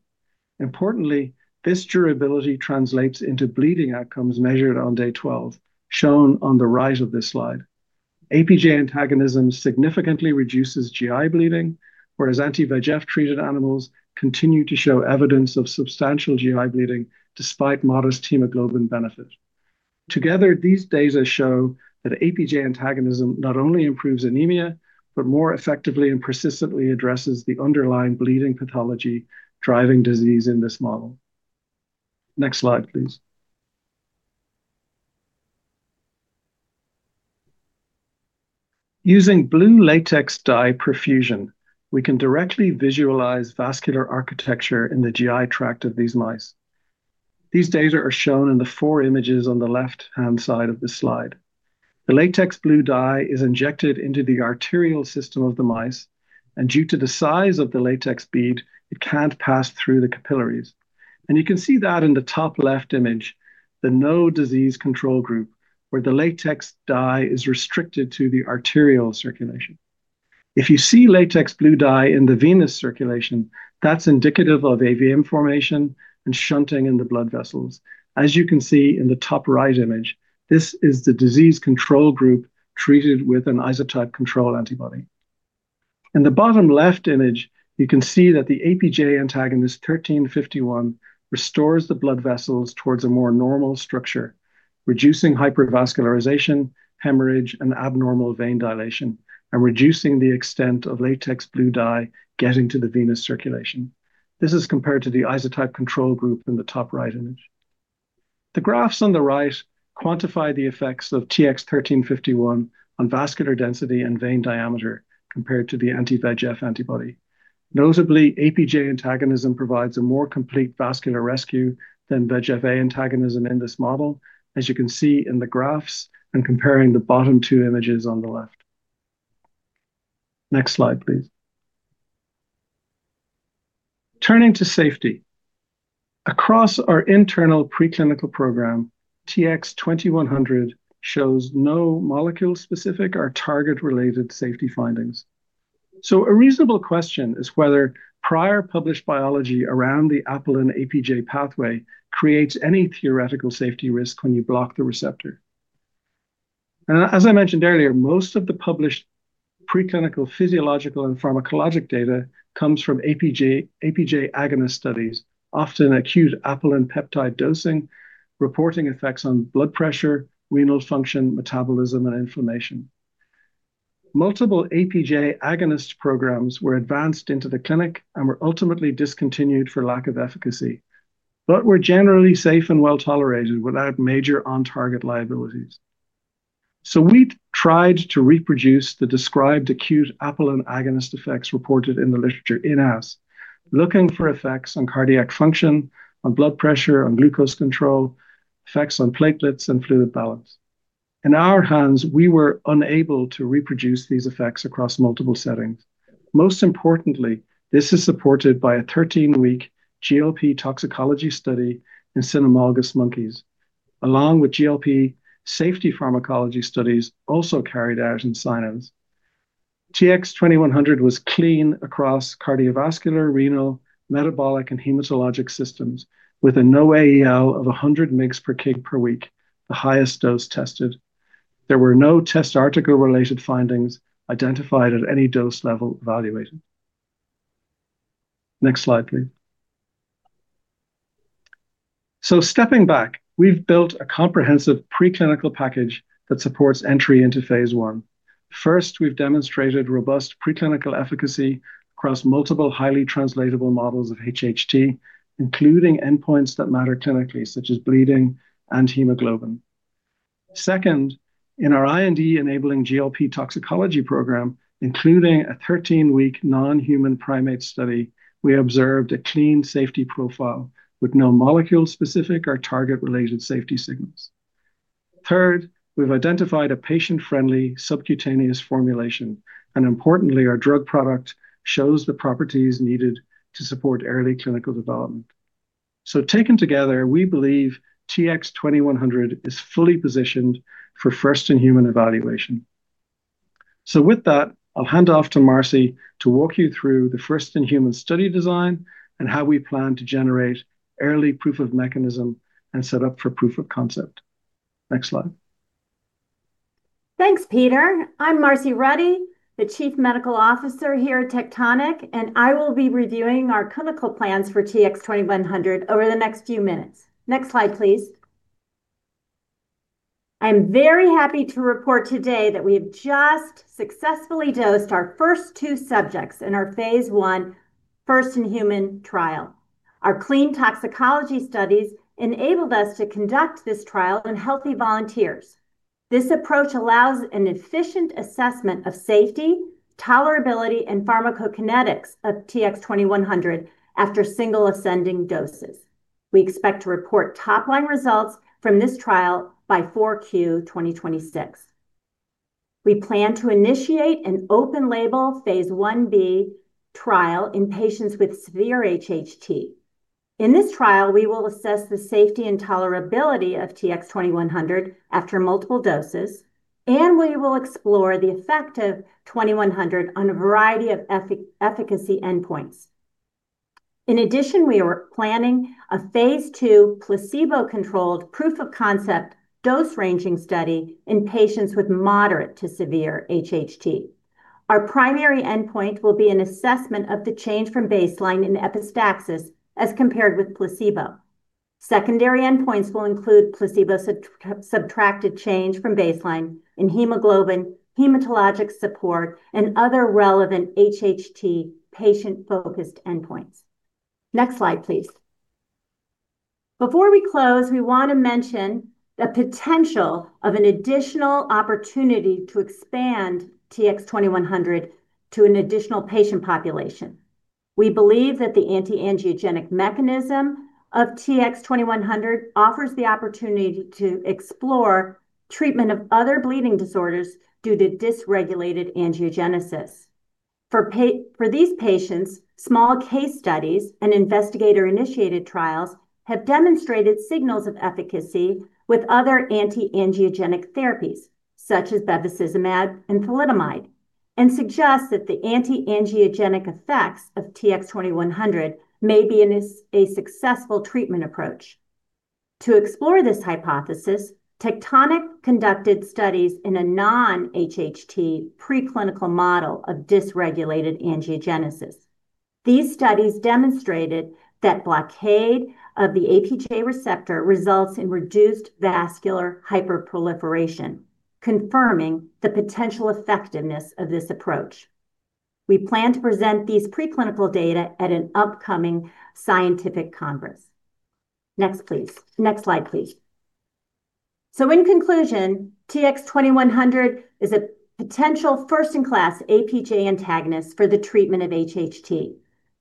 Importantly, this durability translates into bleeding outcomes measured on day 12, shown on the right of this slide. APJ antagonism significantly reduces GI bleeding, whereas anti-VEGF-treated animals continue to show evidence of substantial GI bleeding, despite modest hemoglobin benefit. Together, these data show that APJ antagonism not only improves anemia, but more effectively and persistently addresses the underlying bleeding pathology driving disease in this model. Next slide, please. Using latex blue dye perfusion, we can directly visualize vascular architecture in the GI tract of these mice. These data are shown in the four images on the left-hand side of this slide. The latex blue dye is injected into the arterial system of the mice, and due to the size of the latex bead, it can't pass through the capillaries. You can see that in the top left image, the no disease control group, where the latex dye is restricted to the arterial circulation. If you see latex blue dye in the venous circulation, that's indicative of AVM formation and shunting in the blood vessels. As you can see in the top right image, this is the disease control group treated with an isotype control antibody. In the bottom left image, you can see that the APJ antagonist TX1351 restores the blood vessels towards a more normal structure, reducing hypervascularization, hemorrhage, and abnormal vein dilation, and reducing the extent of latex blue dye getting to the venous circulation. This is compared to the isotype control group in the top right image. The graphs on the right quantify the effects of TX1351 on vascular density and vein diameter compared to the anti-VEGF antibody. Notably, APJ antagonism provides a more complete vascular rescue than VEGF-A antagonism in this model, as you can see in the graphs and comparing the bottom two images on the left. Next slide, please. Turning to safety. Across our internal preclinical program, TX2100 shows no molecule-specific or target-related safety findings. A reasonable question is whether prior published biology around the apelin APJ pathway creates any theoretical safety risk when you block the receptor. As I mentioned earlier, most of the published preclinical, physiological, and pharmacologic data comes from APJ agonist studies, often acute apelin peptide dosing, reporting effects on blood pressure, renal function, metabolism, and inflammation. Multiple APJ agonist programs were advanced into the clinic and were ultimately discontinued for lack of efficacy, but were generally safe and well-tolerated without major on-target liabilities. We tried to reproduce the described acute apelin agonist effects reported in the literature in us, looking for effects on cardiac function, on blood pressure, on glucose control, effects on platelets and fluid balance. In our hands, we were unable to reproduce these effects across multiple settings. Most importantly, this is supported by a 13-week GLP toxicology study in cynomolgus monkeys, along with GLP safety pharmacology studies also carried out in cynos. TX2100 was clean across cardiovascular, renal, metabolic, and hematologic systems, with a NOAEL of 100 mgs per kg per week, the highest dose tested. There were no test article-related findings identified at any dose level evaluated. Next slide, please. Stepping back, we've built a comprehensive preclinical package that supports entry into phase I. First, we've demonstrated robust preclinical efficacy across multiple highly translatable models of HHT, including endpoints that matter clinically, such as bleeding and hemoglobin. Second, in our IND-enabling GLP toxicology program, including a 13-week non-human primate study, we observed a clean safety profile with no molecule-specific or target-related safety signals. Third, we've identified a patient-friendly subcutaneous formulation, and importantly, our drug product shows the properties needed to support early clinical development. Taken together, we believe TX2100 is fully positioned for first-in-human evaluation. With that, I'll hand off to Marcie to walk you through the first-in-human study design and how we plan to generate early proof of mechanism and set up for proof of concept. Next slide. Thanks, Peter. I'm Marcie Ruddy, the Chief Medical Officer here at Tectonic, I will be reviewing our clinical plans for TX2100 over the next few minutes. Next slide, please. I'm very happy to report today that we have just successfully dosed our first two subjects in our phase I, first-in-human trial. Our clean toxicology studies enabled us to conduct this trial in healthy volunteers. This approach allows an efficient assessment of safety, tolerability, and pharmacokinetics of TX2100 after single ascending dose. We expect to report top-line results from this trial by 4Q 2026. We plan to initiate an open-label phase Ib trial in patients with severe HHT. In this trial, we will assess the safety and tolerability of TX2100 after multiple doses, and we will explore the effect of 2100 on a variety of efficacy endpoints. In addition, we are planning a phase II placebo-controlled proof-of-concept dose-ranging study in patients with moderate to severe HHT. Our primary endpoint will be an assessment of the change from baseline in epistaxis as compared with placebo. Secondary endpoints will include placebo-subtracted change from baseline in hemoglobin, hematologic support, and other relevant HHT patient-focused endpoints. Next slide, please. Before we close, we want to mention the potential of an additional opportunity to expand TX2100 to an additional patient population. We believe that the anti-angiogenic mechanism of TX2100 offers the opportunity to explore treatment of other bleeding disorders due to dysregulated angiogenesis. For these patients, small case studies and investigator-initiated trials have demonstrated signals of efficacy with other anti-angiogenic therapies, such as bevacizumab and thalidomide, and suggest that the anti-angiogenic effects of TX2100 may be a successful treatment approach. To explore this hypothesis, Tectonic conducted studies in a non-HHT preclinical model of dysregulated angiogenesis. These studies demonstrated that blockade of the APJ receptor results in reduced vascular hyperproliferation, confirming the potential effectiveness of this approach. We plan to present these preclinical data at an upcoming scientific congress. Next, please. Next slide, please. In conclusion, TX2100 is a potential first-in-class APJ antagonist for the treatment of HHT.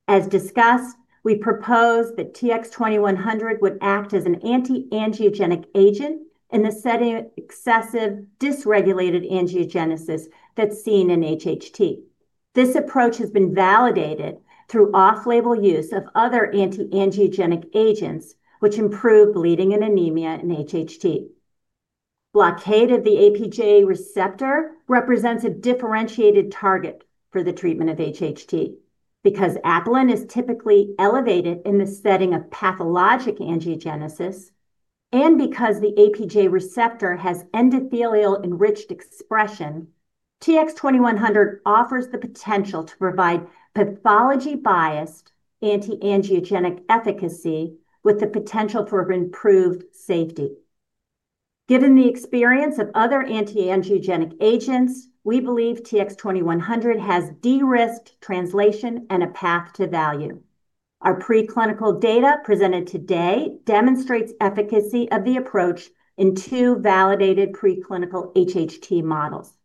As discussed, we propose that TX2100 would act as an anti-angiogenic agent in the setting of excessive dysregulated angiogenesis that's seen in HHT. This approach has been validated through off-label use of other anti-angiogenic agents, which improve bleeding and anemia in HHT. Blockade of the APJ receptor represents a differentiated target for the treatment of HHT. Apelin is typically elevated in the setting of pathologic angiogenesis, and because the APJ receptor has endothelial-enriched expression, TX-2100 offers the potential to provide pathology-biased, anti-angiogenic efficacy with the potential for improved safety. Given the experience of other anti-angiogenic agents, we believe TX-2100 has de-risked translation and a path to value. Our preclinical data presented today demonstrates efficacy of the approach in 2 validated preclinical HHT models.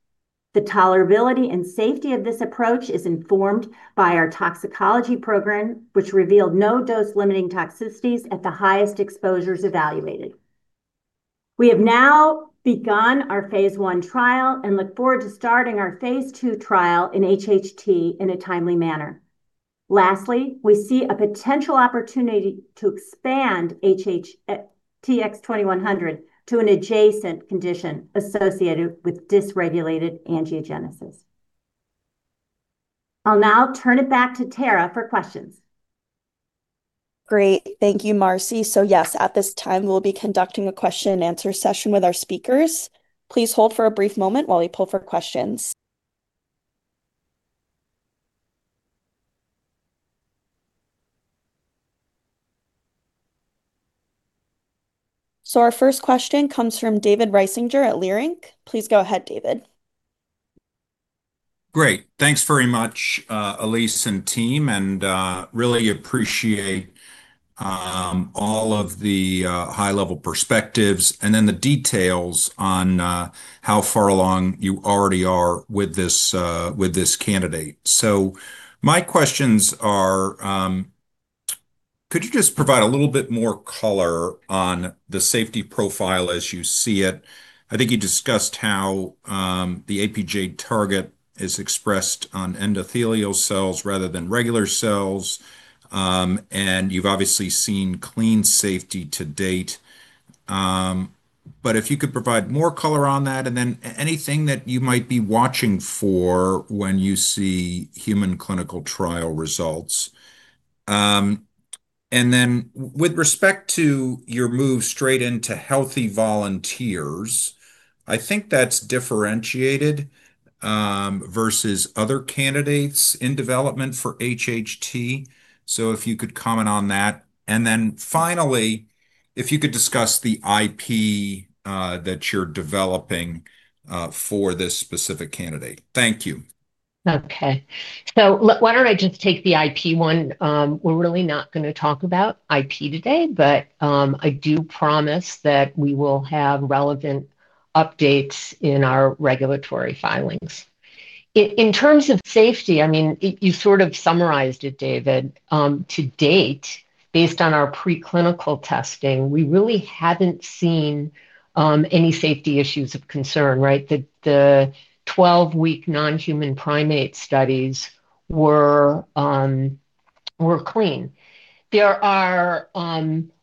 The tolerability and safety of this approach is informed by our toxicology program, which revealed no dose-limiting toxicities at the highest exposures evaluated. We have now begun our phase I trial and look forward to starting our phase II trial in HHT in a timely manner. We see a potential opportunity to expand TX-2100 to an adjacent condition associated with dysregulated angiogenesis. I'll now turn it back to Tara for questions. Great. Thank you, Marcie. Yes, at this time, we'll be conducting a question-and-answer session with our speakers. Please hold for a brief moment while we poll for questions. Our first question comes from David Risinger at Leerink. Please go ahead, David. Great. Thanks very much, Alise and team, really appreciate all of the high-level perspectives, and then the details on how far along you already are with this with this candidate. My questions are, could you just provide a little bit more color on the safety profile as you see it? I think you discussed how the APJ target is expressed on endothelial cells rather than regular cells, and you've obviously seen clean safety to date. If you could provide more color on that, and then anything that you might be watching for when you see human clinical trial results. With respect to your move straight into healthy volunteers, I think that's differentiated versus other candidates in development for HHT. If you could comment on that. Finally, if you could discuss the IP that you're developing for this specific candidate. Thank you. Why don't I just take the IP one? We're really not gonna talk about IP today, I do promise that we will have relevant updates in our regulatory filings. In terms of safety, I mean, you sort of summarized it, David. To date, based on our preclinical testing, we really haven't seen any safety issues of concern, right? The 12-week non-human primate studies were clean. There are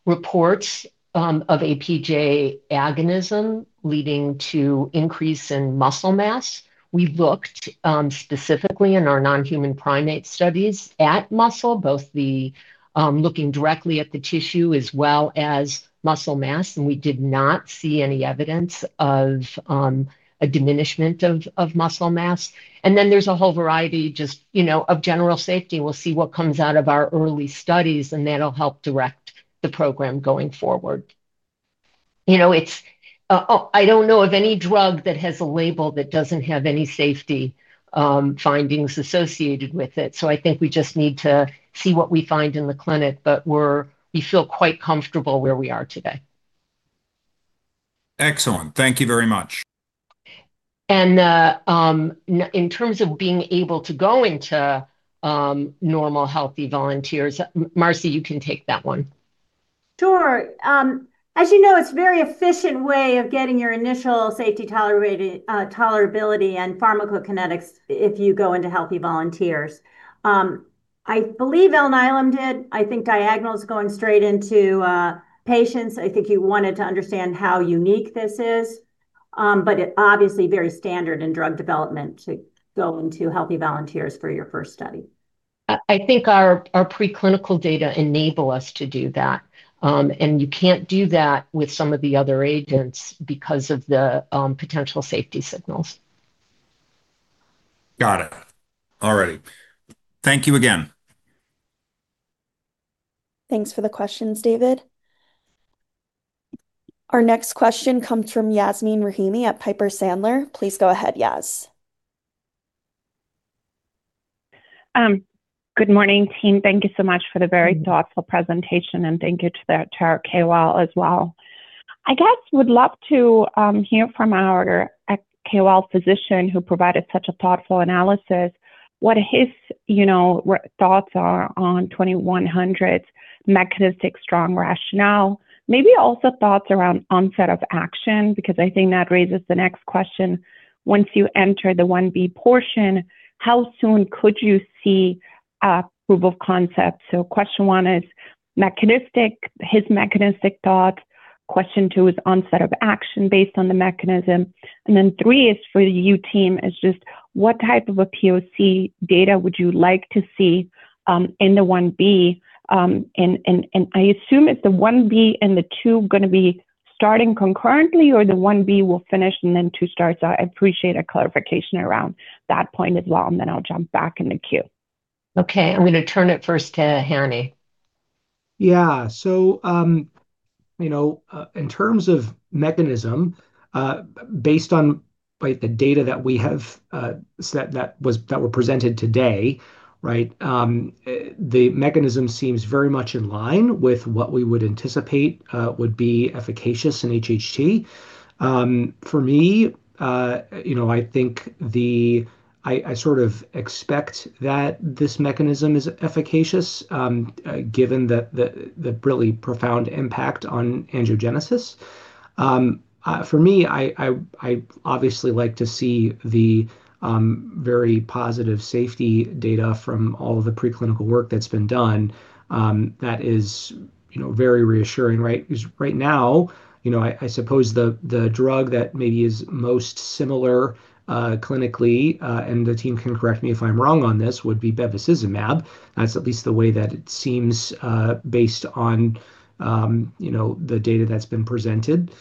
reports of APJ agonism leading to increase in muscle mass. We looked specifically in our non-human primate studies at muscle, both the looking directly at the tissue as well as muscle mass, and we did not see any evidence of a diminishment of muscle mass. There's a whole variety just, you know, of general safety. We'll see what comes out of our early studies, that'll help direct the program going forward. You know, it's... I don't know of any drug that has a label that doesn't have any safety findings associated with it. I think we just need to see what we find in the clinic, but we feel quite comfortable where we are today. Excellent. Thank you very much. In terms of being able to go into normal, healthy volunteers, Marcie, you can take that one. Sure. as you know, it's a very efficient way of getting your initial safety tolerability and pharmacokinetics if you go into healthy volunteers. I believe Alnylam did. I think Diagonal is going straight into patients. I think you wanted to understand how unique this is. it obviously very standard in drug development to go into healthy volunteers for your first study. I think our preclinical data enable us to do that. You can't do that with some of the other agents because of the potential safety signals. Got it. All righty. Thank you again. Thanks for the questions, David. Our next question comes from Yasmeen Rahimi at Piper Sandler. Please go ahead, Yas. Good morning, team. Thank you so much for the very thoughtful presentation, and thank you to our KOL as well. I guess would love to hear from our KOL physician who provided such a thoughtful analysis, what his, you know, thoughts are on TX2100's mechanistic strong rationale, maybe also thoughts around onset of action, because I think that raises the next question. Once you enter the 1B portion, how soon could you see a proof of concept? Question 1 is mechanistic, his mechanistic thoughts. Question 2 is onset of action based on the mechanism, and then 3 is for you, team, is just what type of a POC data would you like to see in the 1B? I assume it's the phase Ib and the phase II going to be starting concurrently, or the phase Ib will finish and then phase II starts? I'd appreciate a clarification around that point as well, and then I'll jump back in the queue. Okay, I'm gonna turn it first to Hanny. Yeah. You know, in terms of mechanism, based on, right, the data that we have, set that were presented today, right? The mechanism seems very much in line with what we would anticipate would be efficacious in HHT. For me, you know, I sort of expect that this mechanism is efficacious, given the really profound impact on angiogenesis. For me, I obviously like to see the very positive safety data from all of the preclinical work that's been done. That is, you know, very reassuring, right? Because right now, you know, I suppose the drug that maybe is most similar, clinically, and the team can correct me if I'm wrong on this, would be bevacizumab. That's at least the way that it seems, based on, you know, the data that's been presented.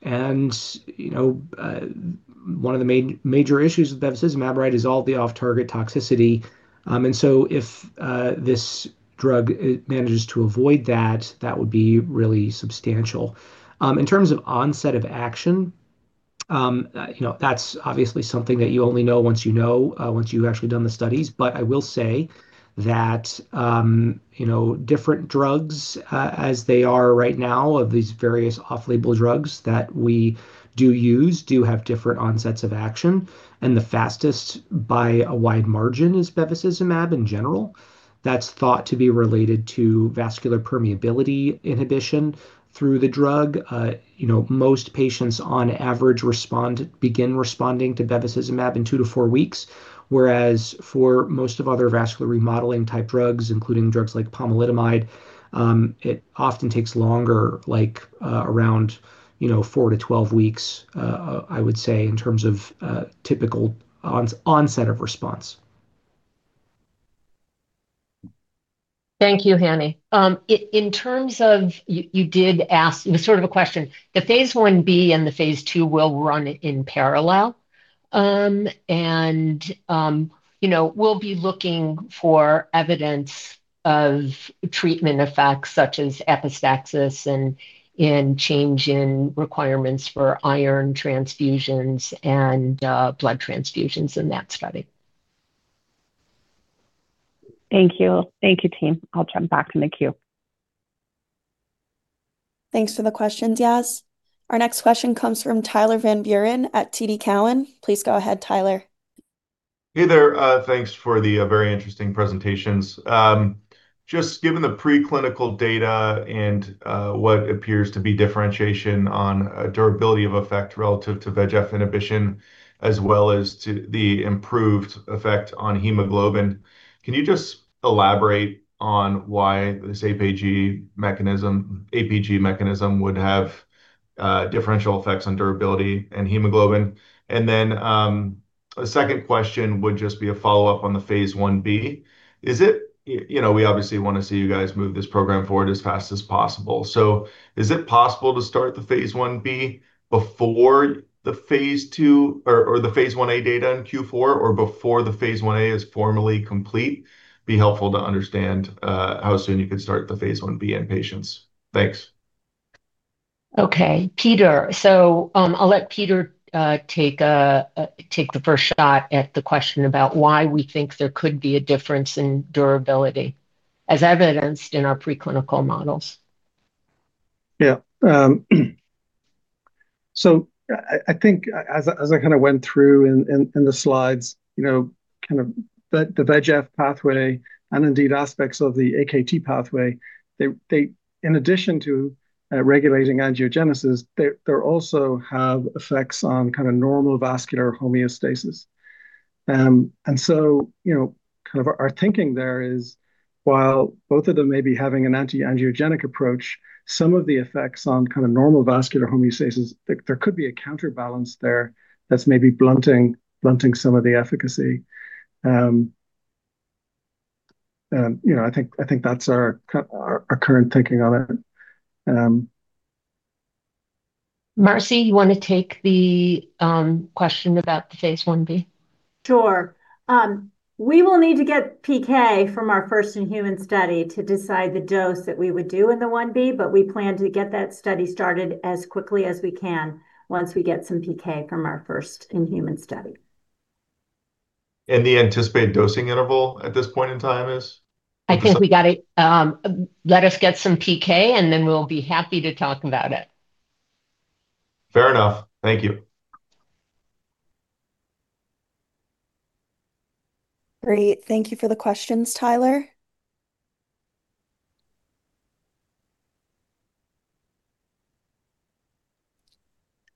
You know, one of the major issues with bevacizumab, right, is all the off-target toxicity. If this drug, it manages to avoid that would be really substantial. In terms of onset of action, you know, that's obviously something that you only know once you know, once you've actually done the studies. I will say that, you know, different drugs, as they are right now, of these various off-label drugs that we do use, do have different onsets of action, and the fastest by a wide margin is bevacizumab in general. That's thought to be related to vascular permeability inhibition through the drug. You know, most patients on average begin responding to bevacizumab in 2-4 weeks, whereas for most of other vascular remodeling type drugs, including drugs like pomalidomide, it often takes longer, like, around, you know, 4-12 weeks, I would say, in terms of, typical onset of response. Thank you, Hanny. You, you did ask sort of a question. The phase IIb and the phase II will run in parallel. You know, we'll be looking for evidence of treatment effects such as epistaxis and change in requirements for iron transfusions and blood transfusions in that study. Thank you. Thank you, team. I'll jump back in the queue. Thanks for the questions, Yas. Our next question comes from Tyler Van Buren at TD Cowen. Please go ahead, Tyler. Hey there. Thanks for the very interesting presentations. Just given the preclinical data and what appears to be differentiation on durability of effect relative to VEGF inhibition, as well as to the improved effect on hemoglobin, can you just elaborate on why this APJ mechanism would have differential effects on durability and hemoglobin? Then a second question would just be a follow-up on the phase Ib. You know, we obviously wanna see you guys move this program forward as fast as possible. Is it possible to start the phase Ib before the phase II or the phase Ia data in Q4 or before the phase Ia is formally complete? Be helpful to understand how soon you could start the phase Ib in patients. Thanks. Okay, Peter. I'll let Peter take the first shot at the question about why we think there could be a difference in durability, as evidenced in our preclinical models. Yeah, I think as I kind of went through in the slides, you know, kind of the VEGF pathway and indeed aspects of the AKT pathway, they in addition to regulating angiogenesis, they also have effects on kind of normal vascular homeostasis. You know, kind of our thinking there is, while both of them may be having an anti-angiogenic approach, some of the effects on kind of normal vascular homeostasis, there could be a counterbalance there that's maybe blunting some of the efficacy. You know, I think that's our current thinking on it. Marcie, you wanna take the question about the phase Ib? Sure. We will need to get PK from our first-in-human study to decide the dose that we would do in the 1B, but we plan to get that study started as quickly as we can once we get some PK from our first- in-human study. The anticipated dosing interval at this point in time is? I think we got to, let us get some PK, and then we'll be happy to talk about it. Fair enough. Thank you. Great. Thank you for the questions, Tyler.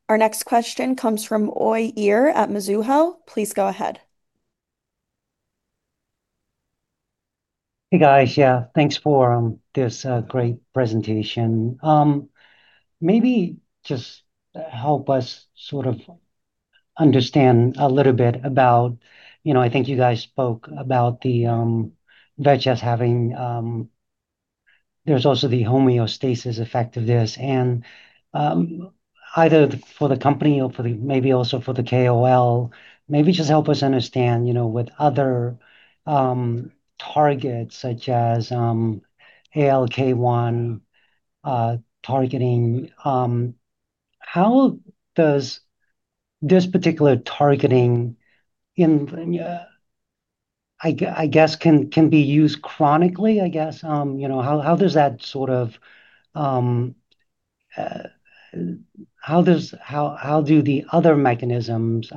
Our next question comes from Uy Ear at Mizuho. Please go ahead. Hey, guys. Yeah, thanks for this great presentation. Maybe just help us sort of understand a little bit about. You know, I think you guys spoke about the VEGF having... There's also the homeostasis effect of this, and either for the company or for the, maybe also for the KOL, maybe just help us understand, you know, with other targets, such as ALK1 targeting, how does this particular targeting in I guess, can be used chronically, I guess? You know, how does that sort of, how do the other mechanisms,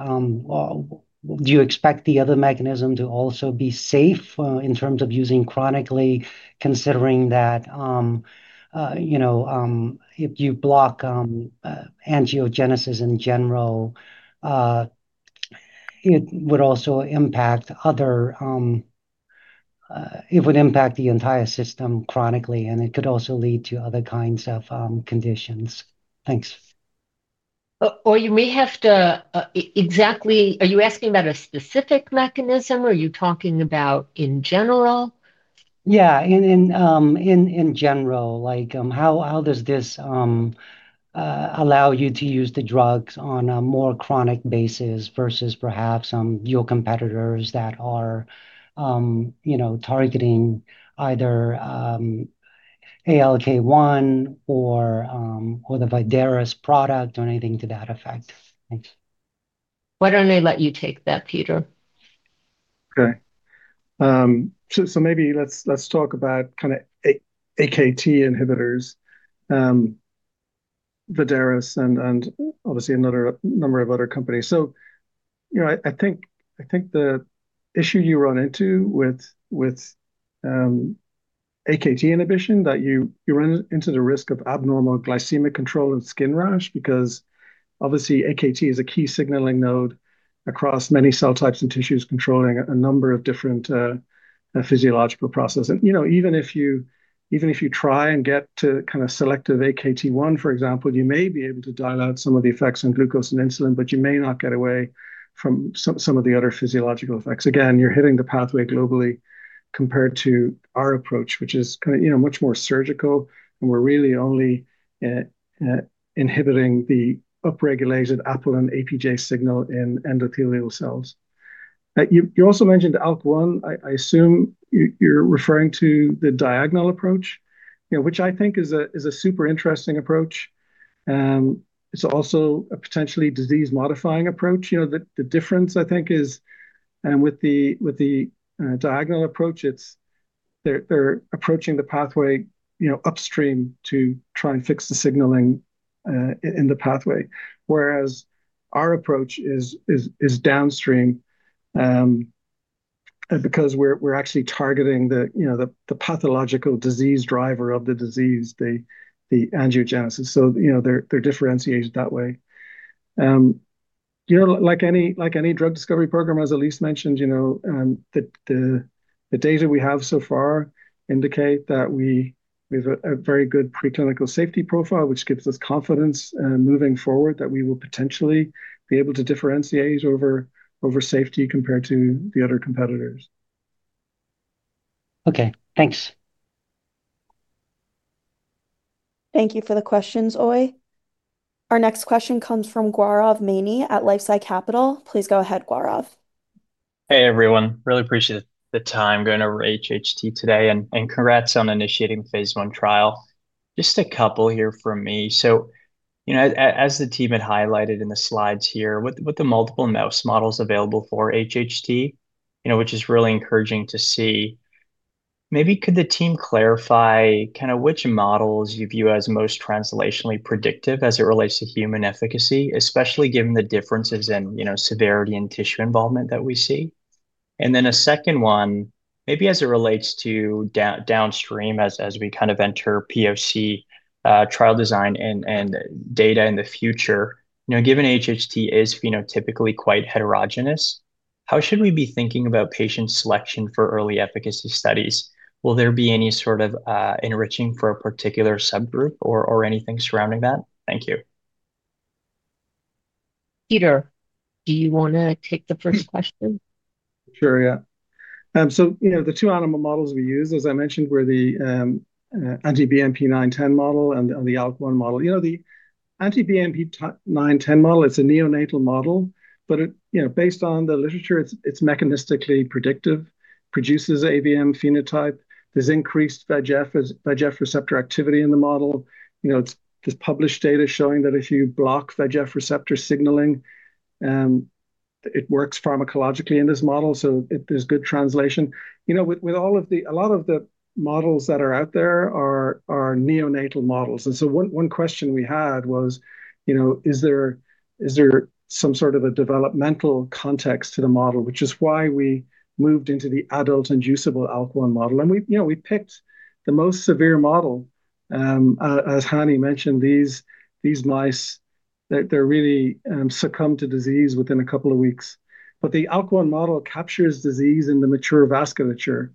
do you expect the other mechanism to also be safe, in terms of using chronically, considering that, you know, if you block angiogenesis in general, it would also impact other, it would impact the entire system chronically, and it could also lead to other kinds of conditions? Thanks. Uy Ear, are you asking about a specific mechanism, or are you talking about in general? Yeah, in general. Like, how does this allow you to use the drugs on a more chronic basis versus perhaps, your competitors that are, you know, targeting either, ALK1 or the Vidaris product or anything to that effect? Thanks. Why don't I let you take that, Peter? Okay. maybe let's talk about kinda AKT inhibitors, Vidaris and a number of other companies. You know, I think the issue you run into with AKT inhibition, that you run into the risk of abnormal glycemic control and skin rash, because obviously AKT is a key signaling node across many cell types and tissues, controlling a number of different physiological processes. You know, even if you try and get to kind of selective AKT1, for example, you may be able to dial out some of the effects on glucose and insulin, but you may not get away from some of the other physiological effects. Again, you're hitting the pathway globally, compared to our approach, which is kinda, you know, much more surgical, and we're really only inhibiting the upregulated apelin and APJ signal in endothelial cells. You also mentioned ALK1. I assume you're referring to the Diagonal approach, you know, which I think is a super interesting approach. It's also a potentially disease-modifying approach. You know, the difference, I think, is with the Diagonal approach, they're approaching the pathway, you know, upstream to try and fix the signaling in the pathway. Whereas our approach is downstream, and because we're actually targeting the, you know, the pathological disease driver of the disease, the angiogenesis. They're differentiated that way. You know, like any, like any drug discovery program, as Alise mentioned, you know, the data we have so far indicate that we have a very good preclinical safety profile, which gives us confidence, moving forward, that we will potentially be able to differentiate over safety compared to the other competitors. Okay, thanks. Thank you for the questions, Uy. Our next question comes from Gaurav Maini at LifeSci Capital. Please go ahead, Gaurav. Hey, everyone. Really appreciate the time going over HHT today, and congrats on initiating the phase I trial. Just a couple here from me. You know, as the team had highlighted in the slides here, with the multiple mouse models available for HHT, which is really encouraging to see, maybe could the team clarify kind of which models you view as most translationally predictive as it relates to human efficacy, especially given the differences in severity and tissue involvement that we see? A second one, maybe as it relates to downstream, as we kind of enter POC trial design and data in the future, you know, given HHT is phenotypically quite heterogeneous, how should we be thinking about patient selection for early efficacy studies? Will there be any sort of, enriching for a particular subgroup or anything surrounding that? Thank you. Peter, do you wanna take the first question? Sure, yeah. You know, the two animal models we used, as I mentioned, were the anti-BMP9/10 model and the ALK1 model. You know, the anti-BMP9/10 model, it's a neonatal model, but it, you know, based on the literature, it's mechanistically predictive, produces AVM phenotype. There's increased VEGF receptor activity in the model. You know, there's published data showing that if you block VEGF receptor signaling, it works pharmacologically in this model, so it, there's good translation. You know, with all of the... A lot of the models that are out there are neonatal models, one question we had was, you know, "Is there some sort of a developmental context to the model?" Which is why we moved into the adult inducible ALK1 model. We, you know, we picked the most severe model. As Hanny mentioned, these mice, they're really succumb to disease within a couple of weeks. The ALK1 model captures disease in the mature vasculature.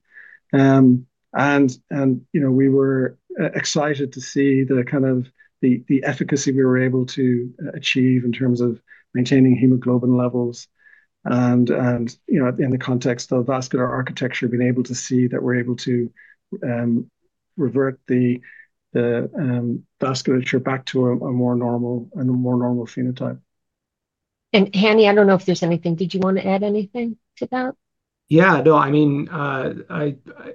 And, you know, we were excited to see the kind of the efficacy we were able to achieve in terms of maintaining hemoglobin levels and, you know, in the context of vascular architecture, being able to see that we're able to revert the vasculature back to a more normal phenotype. Hanny, I don't know if there's anything. Did you want to add anything to that? I mean,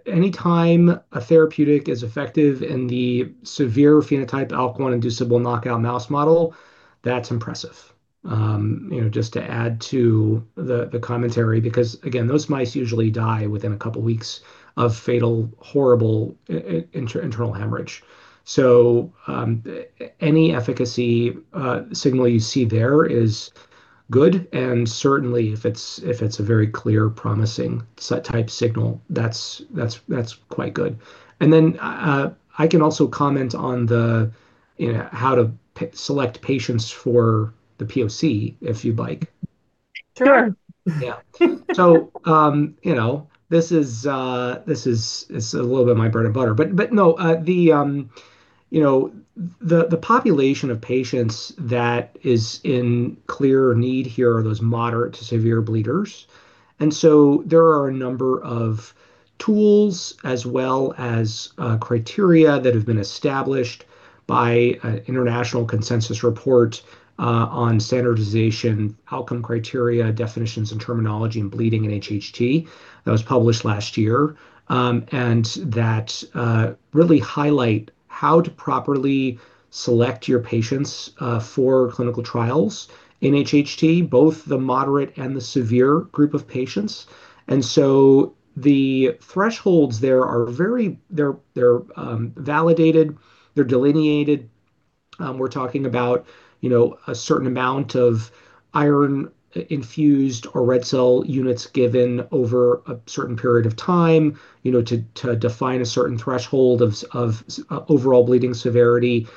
any time a therapeutic is effective in the severe phenotype ALK1-inducible knockout mouse model, that's impressive. You know, just to add to the commentary, because again, those mice usually die within a couple weeks of fatal, horrible internal hemorrhage. Any efficacy signal you see there is good, and certainly if it's a very clear, promising subtype signal, that's quite good. I can also comment on the, you know, how to select patients for the POC, if you'd like. Sure. Yeah. You know, this is it's a little bit my bread and butter. No, you know, the population of patients that is in clear need here are those moderate to severe bleeders. There are a number of tools as well as criteria that have been established by a international consensus report on standardization, outcome criteria, definitions, and terminology in bleeding in HHT that was published last year. That really highlight how to properly select your patients for clinical trials in HHT, both the moderate and the severe group of patients. The thresholds there are very, they're validated, they're delineated. We're talking about, you know, a certain amount of iron infused or red cell units given over a certain period of time, you know, to define a certain threshold of overall bleeding severity.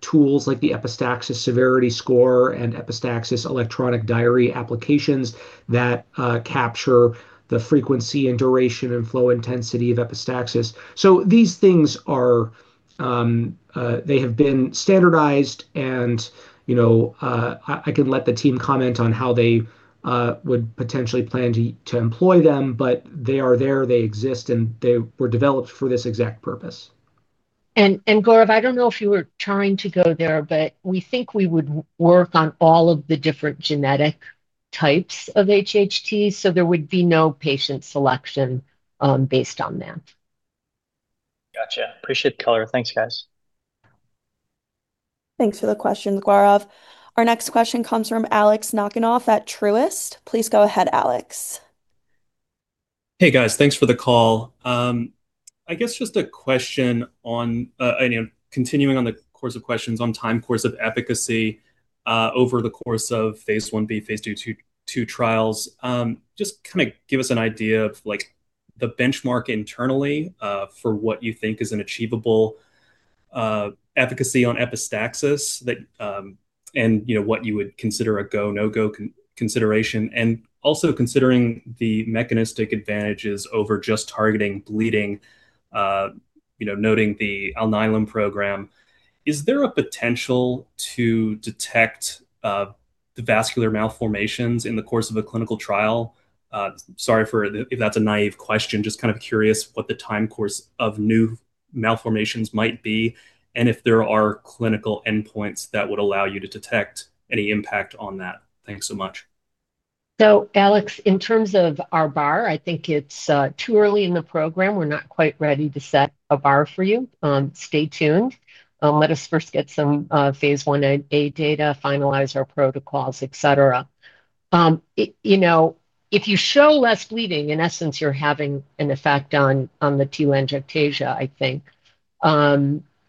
Tools like the Epistaxis Severity Score and epistaxis electronic diary applications that capture the frequency and duration and flow intensity of epistaxis. These things have been standardized and, you know, I can let the team comment on how they would potentially plan to employ them, but they are there, they exist, and they were developed for this exact purpose. Gaurav, I don't know if you were trying to go there, but we think we would work on all of the different genetic types of HHT, so there would be no patient selection, based on that. Gotcha. Appreciate the color. Thanks, guys. Thanks for the question, Gaurav. Our next question comes from Alex Nackenoff at Truist. Please go ahead, Alex. Hey, guys. Thanks for the call. I guess just a question on, and, you know, continuing on the course of questions on time, course of efficacy, over the course of phase Ib, phase II trials. Just kind of give us an idea of, like, the benchmark internally, for what you think is an achievable, efficacy on epistaxis that, and, you know, what you would consider a go, no-go consideration. Also, considering the mechanistic advantages over just targeting bleeding, you know, noting the Alnylam program, is there a potential to detect, the vascular malformations in the course of a clinical trial? Sorry for, if that's a naive question, just kind of curious what the time course of new malformations might be, and if there are clinical endpoints that would allow you to detect any impact on that. Thanks so much. Alex, in terms of our bar, I think it's too early in the program. We're not quite ready to set a bar for you. Stay tuned. Let us first get some phase Ia data, finalize our protocols, et cetera. You know, if you show less bleeding, in essence, you're having an effect on the telangiectasia, I think.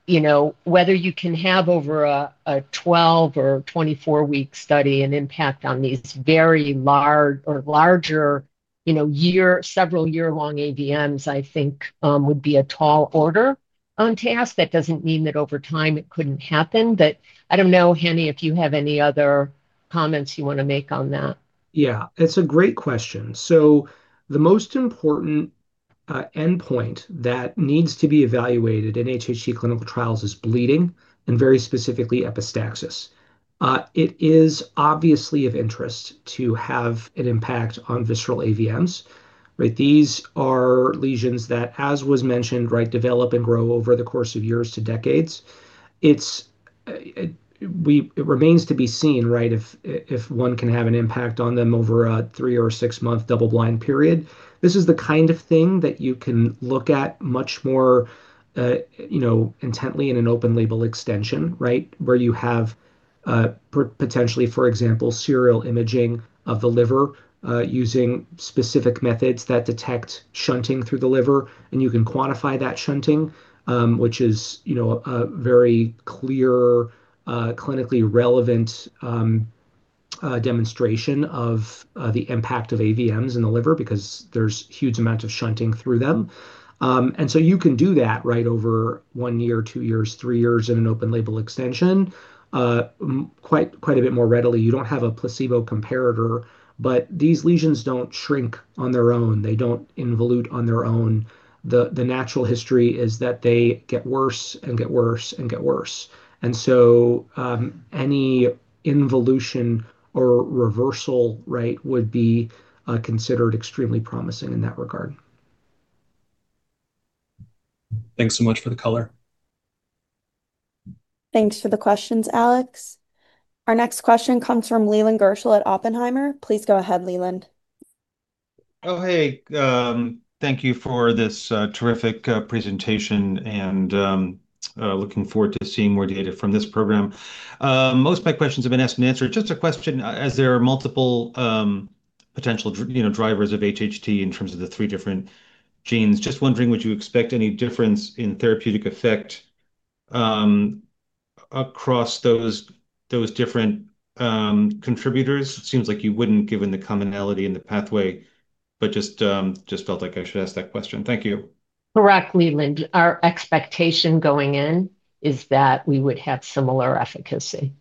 You know, whether you can have over a 12 or 24-week study, an impact on these very large or larger, you know, year, several year-long AVMs, I think would be a tall order task. That doesn't mean that over time it couldn't happen, but I don't know, Hanny, if you have any other comments you wanna make on that. Yeah, it's a great question. The most important endpoint that needs to be evaluated in HHT clinical trials is bleeding, and very specifically, epistaxis. It is obviously of interest to have an impact on visceral AVMs, right? These are lesions that, as was mentioned, right, develop and grow over the course of years to decades. It remains to be seen, right, if one can have an impact on them over a three or six-month double-blind period. This is the kind of thing that you can look at much more, you know, intently in an open-label extension, right? Where you have potentially, for example, serial imaging of the liver, using specific methods that detect shunting through the liver, and you can quantify that shunting, which is, you know, a very clear, clinically relevant, demonstration of the impact of AVMs in the liver because there's huge amounts of shunting through them. You can do that, right, over one year, two years, three years in an open-label extension, quite a bit more readily. You don't have a placebo comparator, but these lesions don't shrink on their own. They don't involute on their own. The natural history is that they get worse and get worse and get worse. Any involution or reversal, right, would be considered extremely promising in that regard. Thanks so much for the color. Thanks for the questions, Alex. Our next question comes from Leland Gershell at Oppenheimer. Please go ahead, Leland. Thank you for this terrific presentation, looking forward to seeing more data from this program. Most of my questions have been asked and answered. Just a question, as there are multiple, you know, drivers of HHT in terms of the three different genes, just wondering, would you expect any difference in therapeutic effect across those different contributors? It seems like you wouldn't, given the commonality in the pathway, just felt like I should ask that question. Thank you. Correct, Leland. Our expectation going in is that we would have similar efficacy.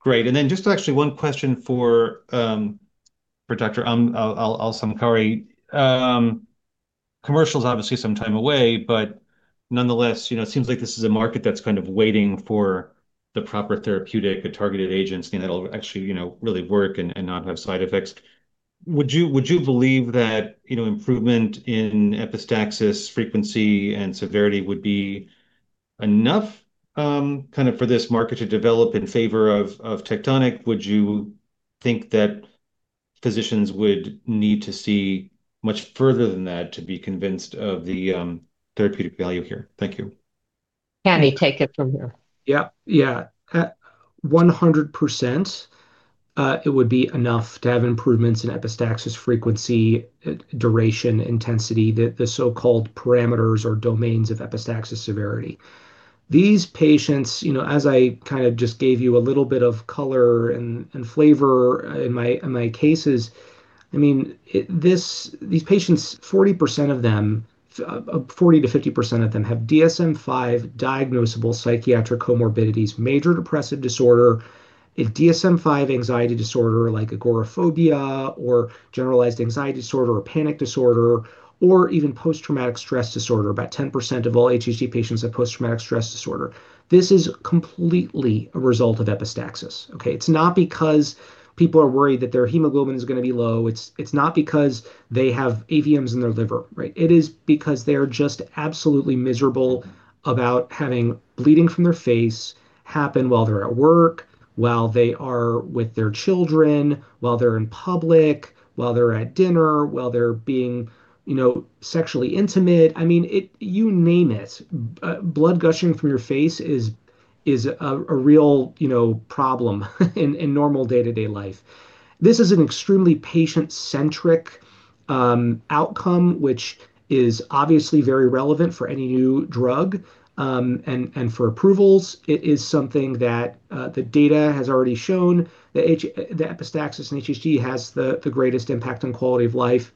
Great. Then just actually one question for Dr. Al-Samkari. Commercial's obviously some time away, but nonetheless, you know, it seems like this is a market that's kind of waiting for the proper therapeutic, a targeted agent, you know, that'll actually, you know, really work and not have side effects. Would you believe that, you know, improvement in epistaxis frequency and severity would be enough kind of for this market to develop in favor of Tectonic? Would you think that physicians would need to see much further than that to be convinced of the therapeutic value here? Thank you. Hanny, take it from here. Yeah, 100% it would be enough to have improvements in epistaxis frequency, duration, intensity, the so-called parameters or domains of epistaxis severity. These patients, you know, as I kind of just gave you a little bit of color and flavor in my cases, I mean, these patients, 40% of them, 40%-50% of them have DSM-5 diagnosable psychiatric comorbidities, Major Depressive Disorder, a DSM-5 anxiety disorder like agoraphobia or generalized anxiety disorder or panic disorder, or even post-traumatic stress disorder. About 10% of all HHT patients have post-traumatic stress disorder. This is completely a result of epistaxis, okay? It's not because people are worried that their hemoglobin is gonna be low. It's not because they have AVMs in their liver, right? It is because they are just absolutely miserable about having bleeding from their face happen while they're at work, while they are with their children, while they're in public, while they're at dinner, while they're being, you know, sexually intimate. I mean, you name it, blood gushing from your face is a real, you know, problem in normal day-to-day life. This is an extremely patient-centric outcome, which is obviously very relevant for any new drug and for approvals. It is something that the data has already shown, that the epistaxis in HHT has the greatest impact on quality of life.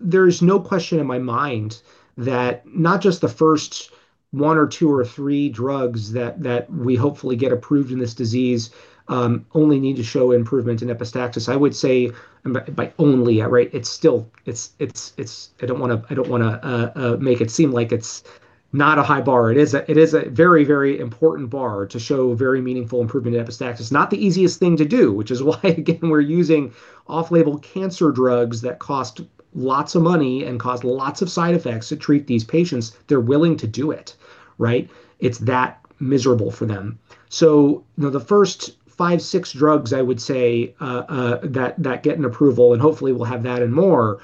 There's no question in my mind that not just the first one or two or three drugs that we hopefully get approved in this disease, only need to show improvement in epistaxis. I would say, and by only, right, it's still, it's. I don't wanna make it seem like it's not a high bar. It is a, it is a very, very important bar to show very meaningful improvement in epistaxis. Not the easiest thing to do, which is why, again, we're using off-label cancer drugs that cost lots of money and cause lots of side effects to treat these patients. They're willing to do it, right? It's that miserable for them. The first five, six drugs, I would say, that get an approval, and hopefully we'll have that and more,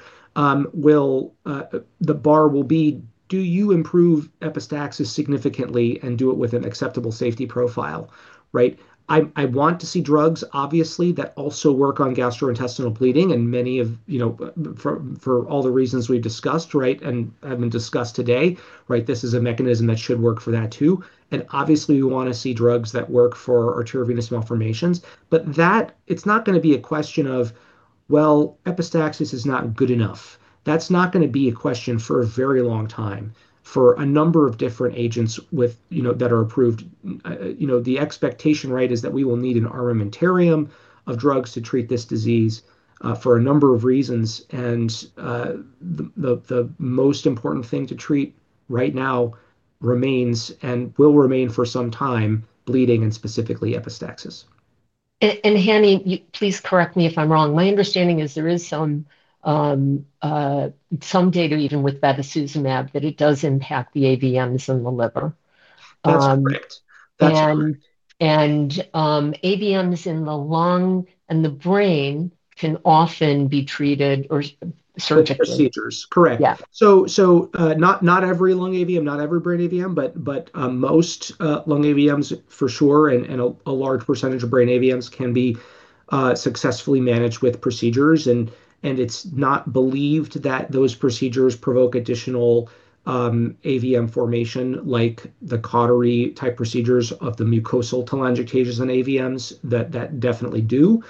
will, the bar will be: Do you improve epistaxis significantly and do it with an acceptable safety profile, right? I want to see drugs, obviously, that also work on gastrointestinal bleeding and many of, you know, for all the reasons we've discussed, right, and have been discussed today, right? This is a mechanism that should work for that too. Obviously, we wanna see drugs that work for arteriovenous malformations, but it's not gonna be a question of, well, epistaxis is not good enough. That's not gonna be a question for a very long time, for a number of different agents with, you know, that are approved. You know, the expectation, right, is that we will need an armamentarium of drugs to treat this disease, for a number of reasons, and the most important thing right now remains, and will remain for some time, bleeding, and specifically epistaxis. Hanny, please correct me if I'm wrong. My understanding is there is some data even with bevacizumab, that it does impact the AVMs in the liver. That's correct. That's correct. AVMs in the lung and the brain can often be treated or surgically- With procedures, correct. Yeah. Not every lung AVM, not every brain AVM, most lung AVMs for sure, and a large percentage of brain AVMs can be successfully managed with procedures. It's not believed that those procedures provoke additional AVM formation, like the cautery-type procedures of the mucosal telangiectasias and AVMs that definitely do.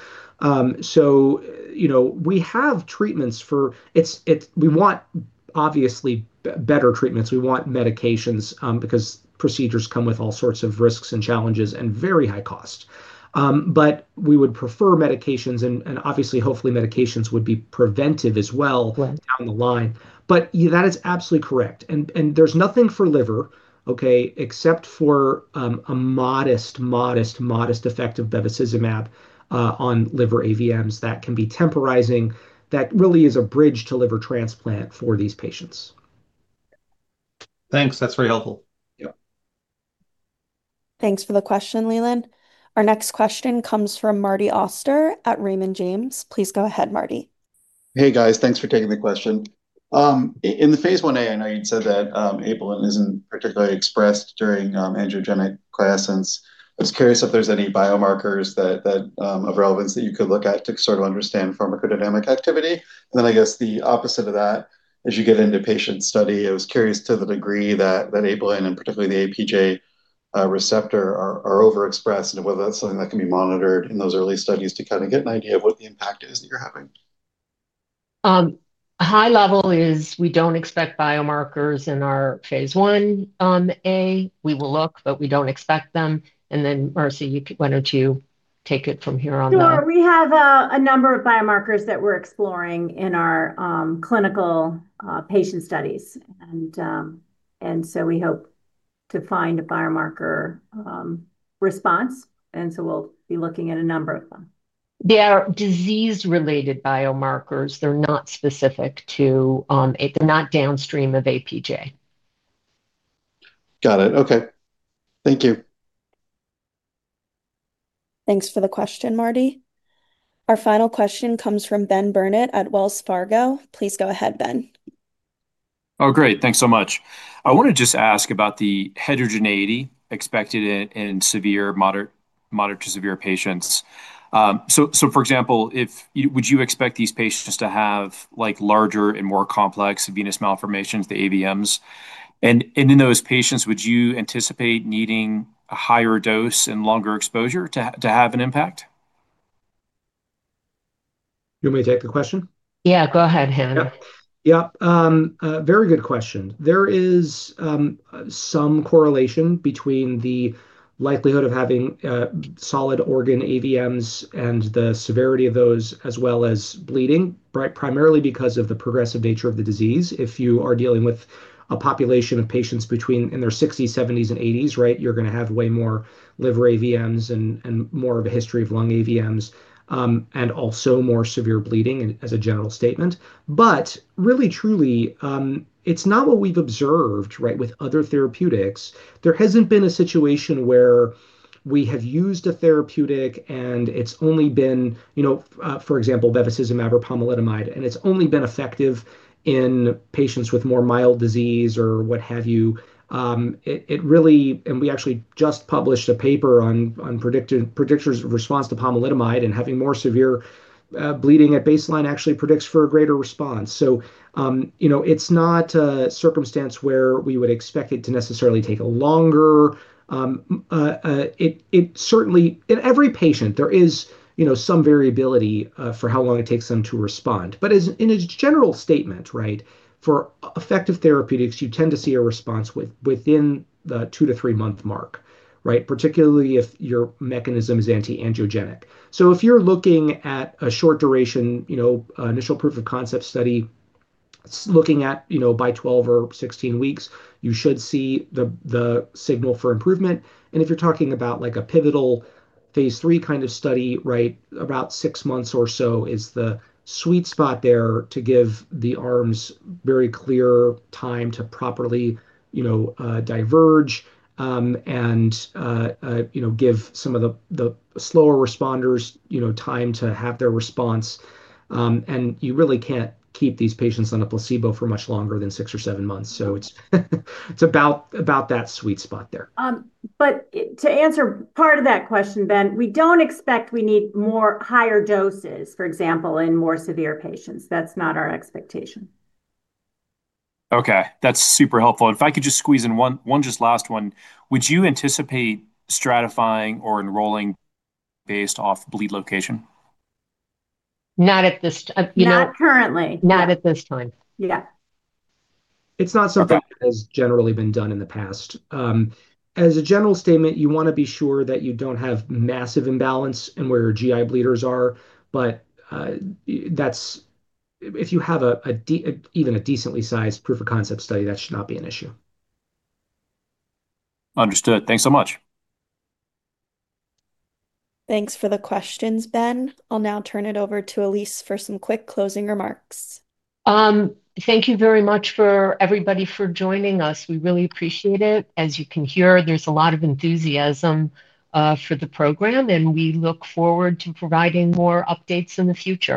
You know, we have treatments for... We want obviously better treatments. We want medications, because procedures come with all sorts of risks and challenges, and very high cost. We would prefer medications, and obviously, hopefully, medications would be preventive as well- Right down the line. That is absolutely correct, and there's nothing for liver, okay, except for a modest, modest effect of bevacizumab on liver AVMs. That can be temporizing. That really is a bridge to liver transplant for these patients. Thanks. That's very helpful. Yeah. Thanks for the question, Leland. Our next question comes from Martin Auster at Raymond James. Please go ahead, Marty. Hey, guys. Thanks for taking the question. In the phase IIa, I know you'd said that apelin isn't particularly expressed during angiogenic quiescence. I was curious if there's any biomarkers that of relevance that you could look at to sort of understand pharmacodynamic activity? I guess the opposite of that, as you get into patient study, I was curious to the degree that apelin, and particularly the APJ receptor are overexpressed, and whether that's something that can be monitored in those early studies to kind of get an idea of what the impact is that you're having. High level is we don't expect biomarkers in our phase Ia. We will look, but we don't expect them. Marcie, why don't you take it from here on that? Sure. We have a number of biomarkers that we're exploring in our clinical patient studies. We hope to find a biomarker response, and so we'll be looking at a number of them. They are disease-related biomarkers. They're not specific to, they're not downstream of APJ. Got it. Okay. Thank you. Thanks for the question, Marty. Our final question comes from Ben Burnett at Wells Fargo. Please go ahead, Ben. Oh, great. Thanks so much. I want to just ask about the heterogeneity expected in severe, moderate to severe patients. For example, would you expect these patients to have, like, larger and more complex venous malformations, the AVMs? In those patients, would you anticipate needing a higher dose and longer exposure to have an impact? You want me to take the question? Yeah, go ahead, Hanny. Yep. Yeah, very good question. There is some correlation between the likelihood of having solid organ AVMs and the severity of those, as well as bleeding, primarily because of the progressive nature of the disease. If you are dealing with a population of patients in their 60s, 70s, and 80s, right, you're gonna have way more liver AVMs and more of a history of lung AVMs, and also more severe bleeding in, as a general statement. Really, truly, it's not what we've observed, right, with other therapeutics. There hasn't been a situation where we have used a therapeutic and it's only been, you know, for example, bevacizumab or pomalidomide, and it's only been effective in patients with more mild disease or what have you. It really... We actually just published a paper on predictors of response to pomalidomide, and having more severe bleeding at baseline actually predicts for a greater response. You know, it's not a circumstance where we would expect it to necessarily take a longer. It certainly, in every patient, there is, you know, some variability for how long it takes them to respond. In a general statement, right, for effective therapeutics, you tend to see a response within the two-to-three-month mark, right? Particularly if your mechanism is anti-angiogenic. If you're looking at a short duration, you know, initial proof of concept study, looking at, you know, by 12 or 16 weeks, you should see the signal for improvement. If you're talking about a pivotal phase III kind of study, right, about six months or so is the sweet spot there to give the arms very clear time to properly diverge, and give some of the slower responders time to have their response. You really can't keep these patients on a placebo for much longer than six or seven months. It's about that sweet spot there. To answer part of that question, Ben, we don't expect we need more higher doses, for example, in more severe patients. That's not our expectation. Okay, that's super helpful. If I could just squeeze in one just last one: Would you anticipate stratifying or enrolling based off bleed location? Not at this, you know. Not currently. Not at this time. Yeah. It's not something that has generally been done in the past. As a general statement, you wanna be sure that you don't have massive imbalance in where your GI bleeders are, but if you have a decently sized proof of concept study, that should not be an issue. Understood. Thanks so much. Thanks for the questions, Ben. I'll now turn it over to Alise for some quick closing remarks. Thank you very much for everybody for joining us. We really appreciate it. As you can hear, there's a lot of enthusiasm for the program, and we look forward to providing more updates in the future.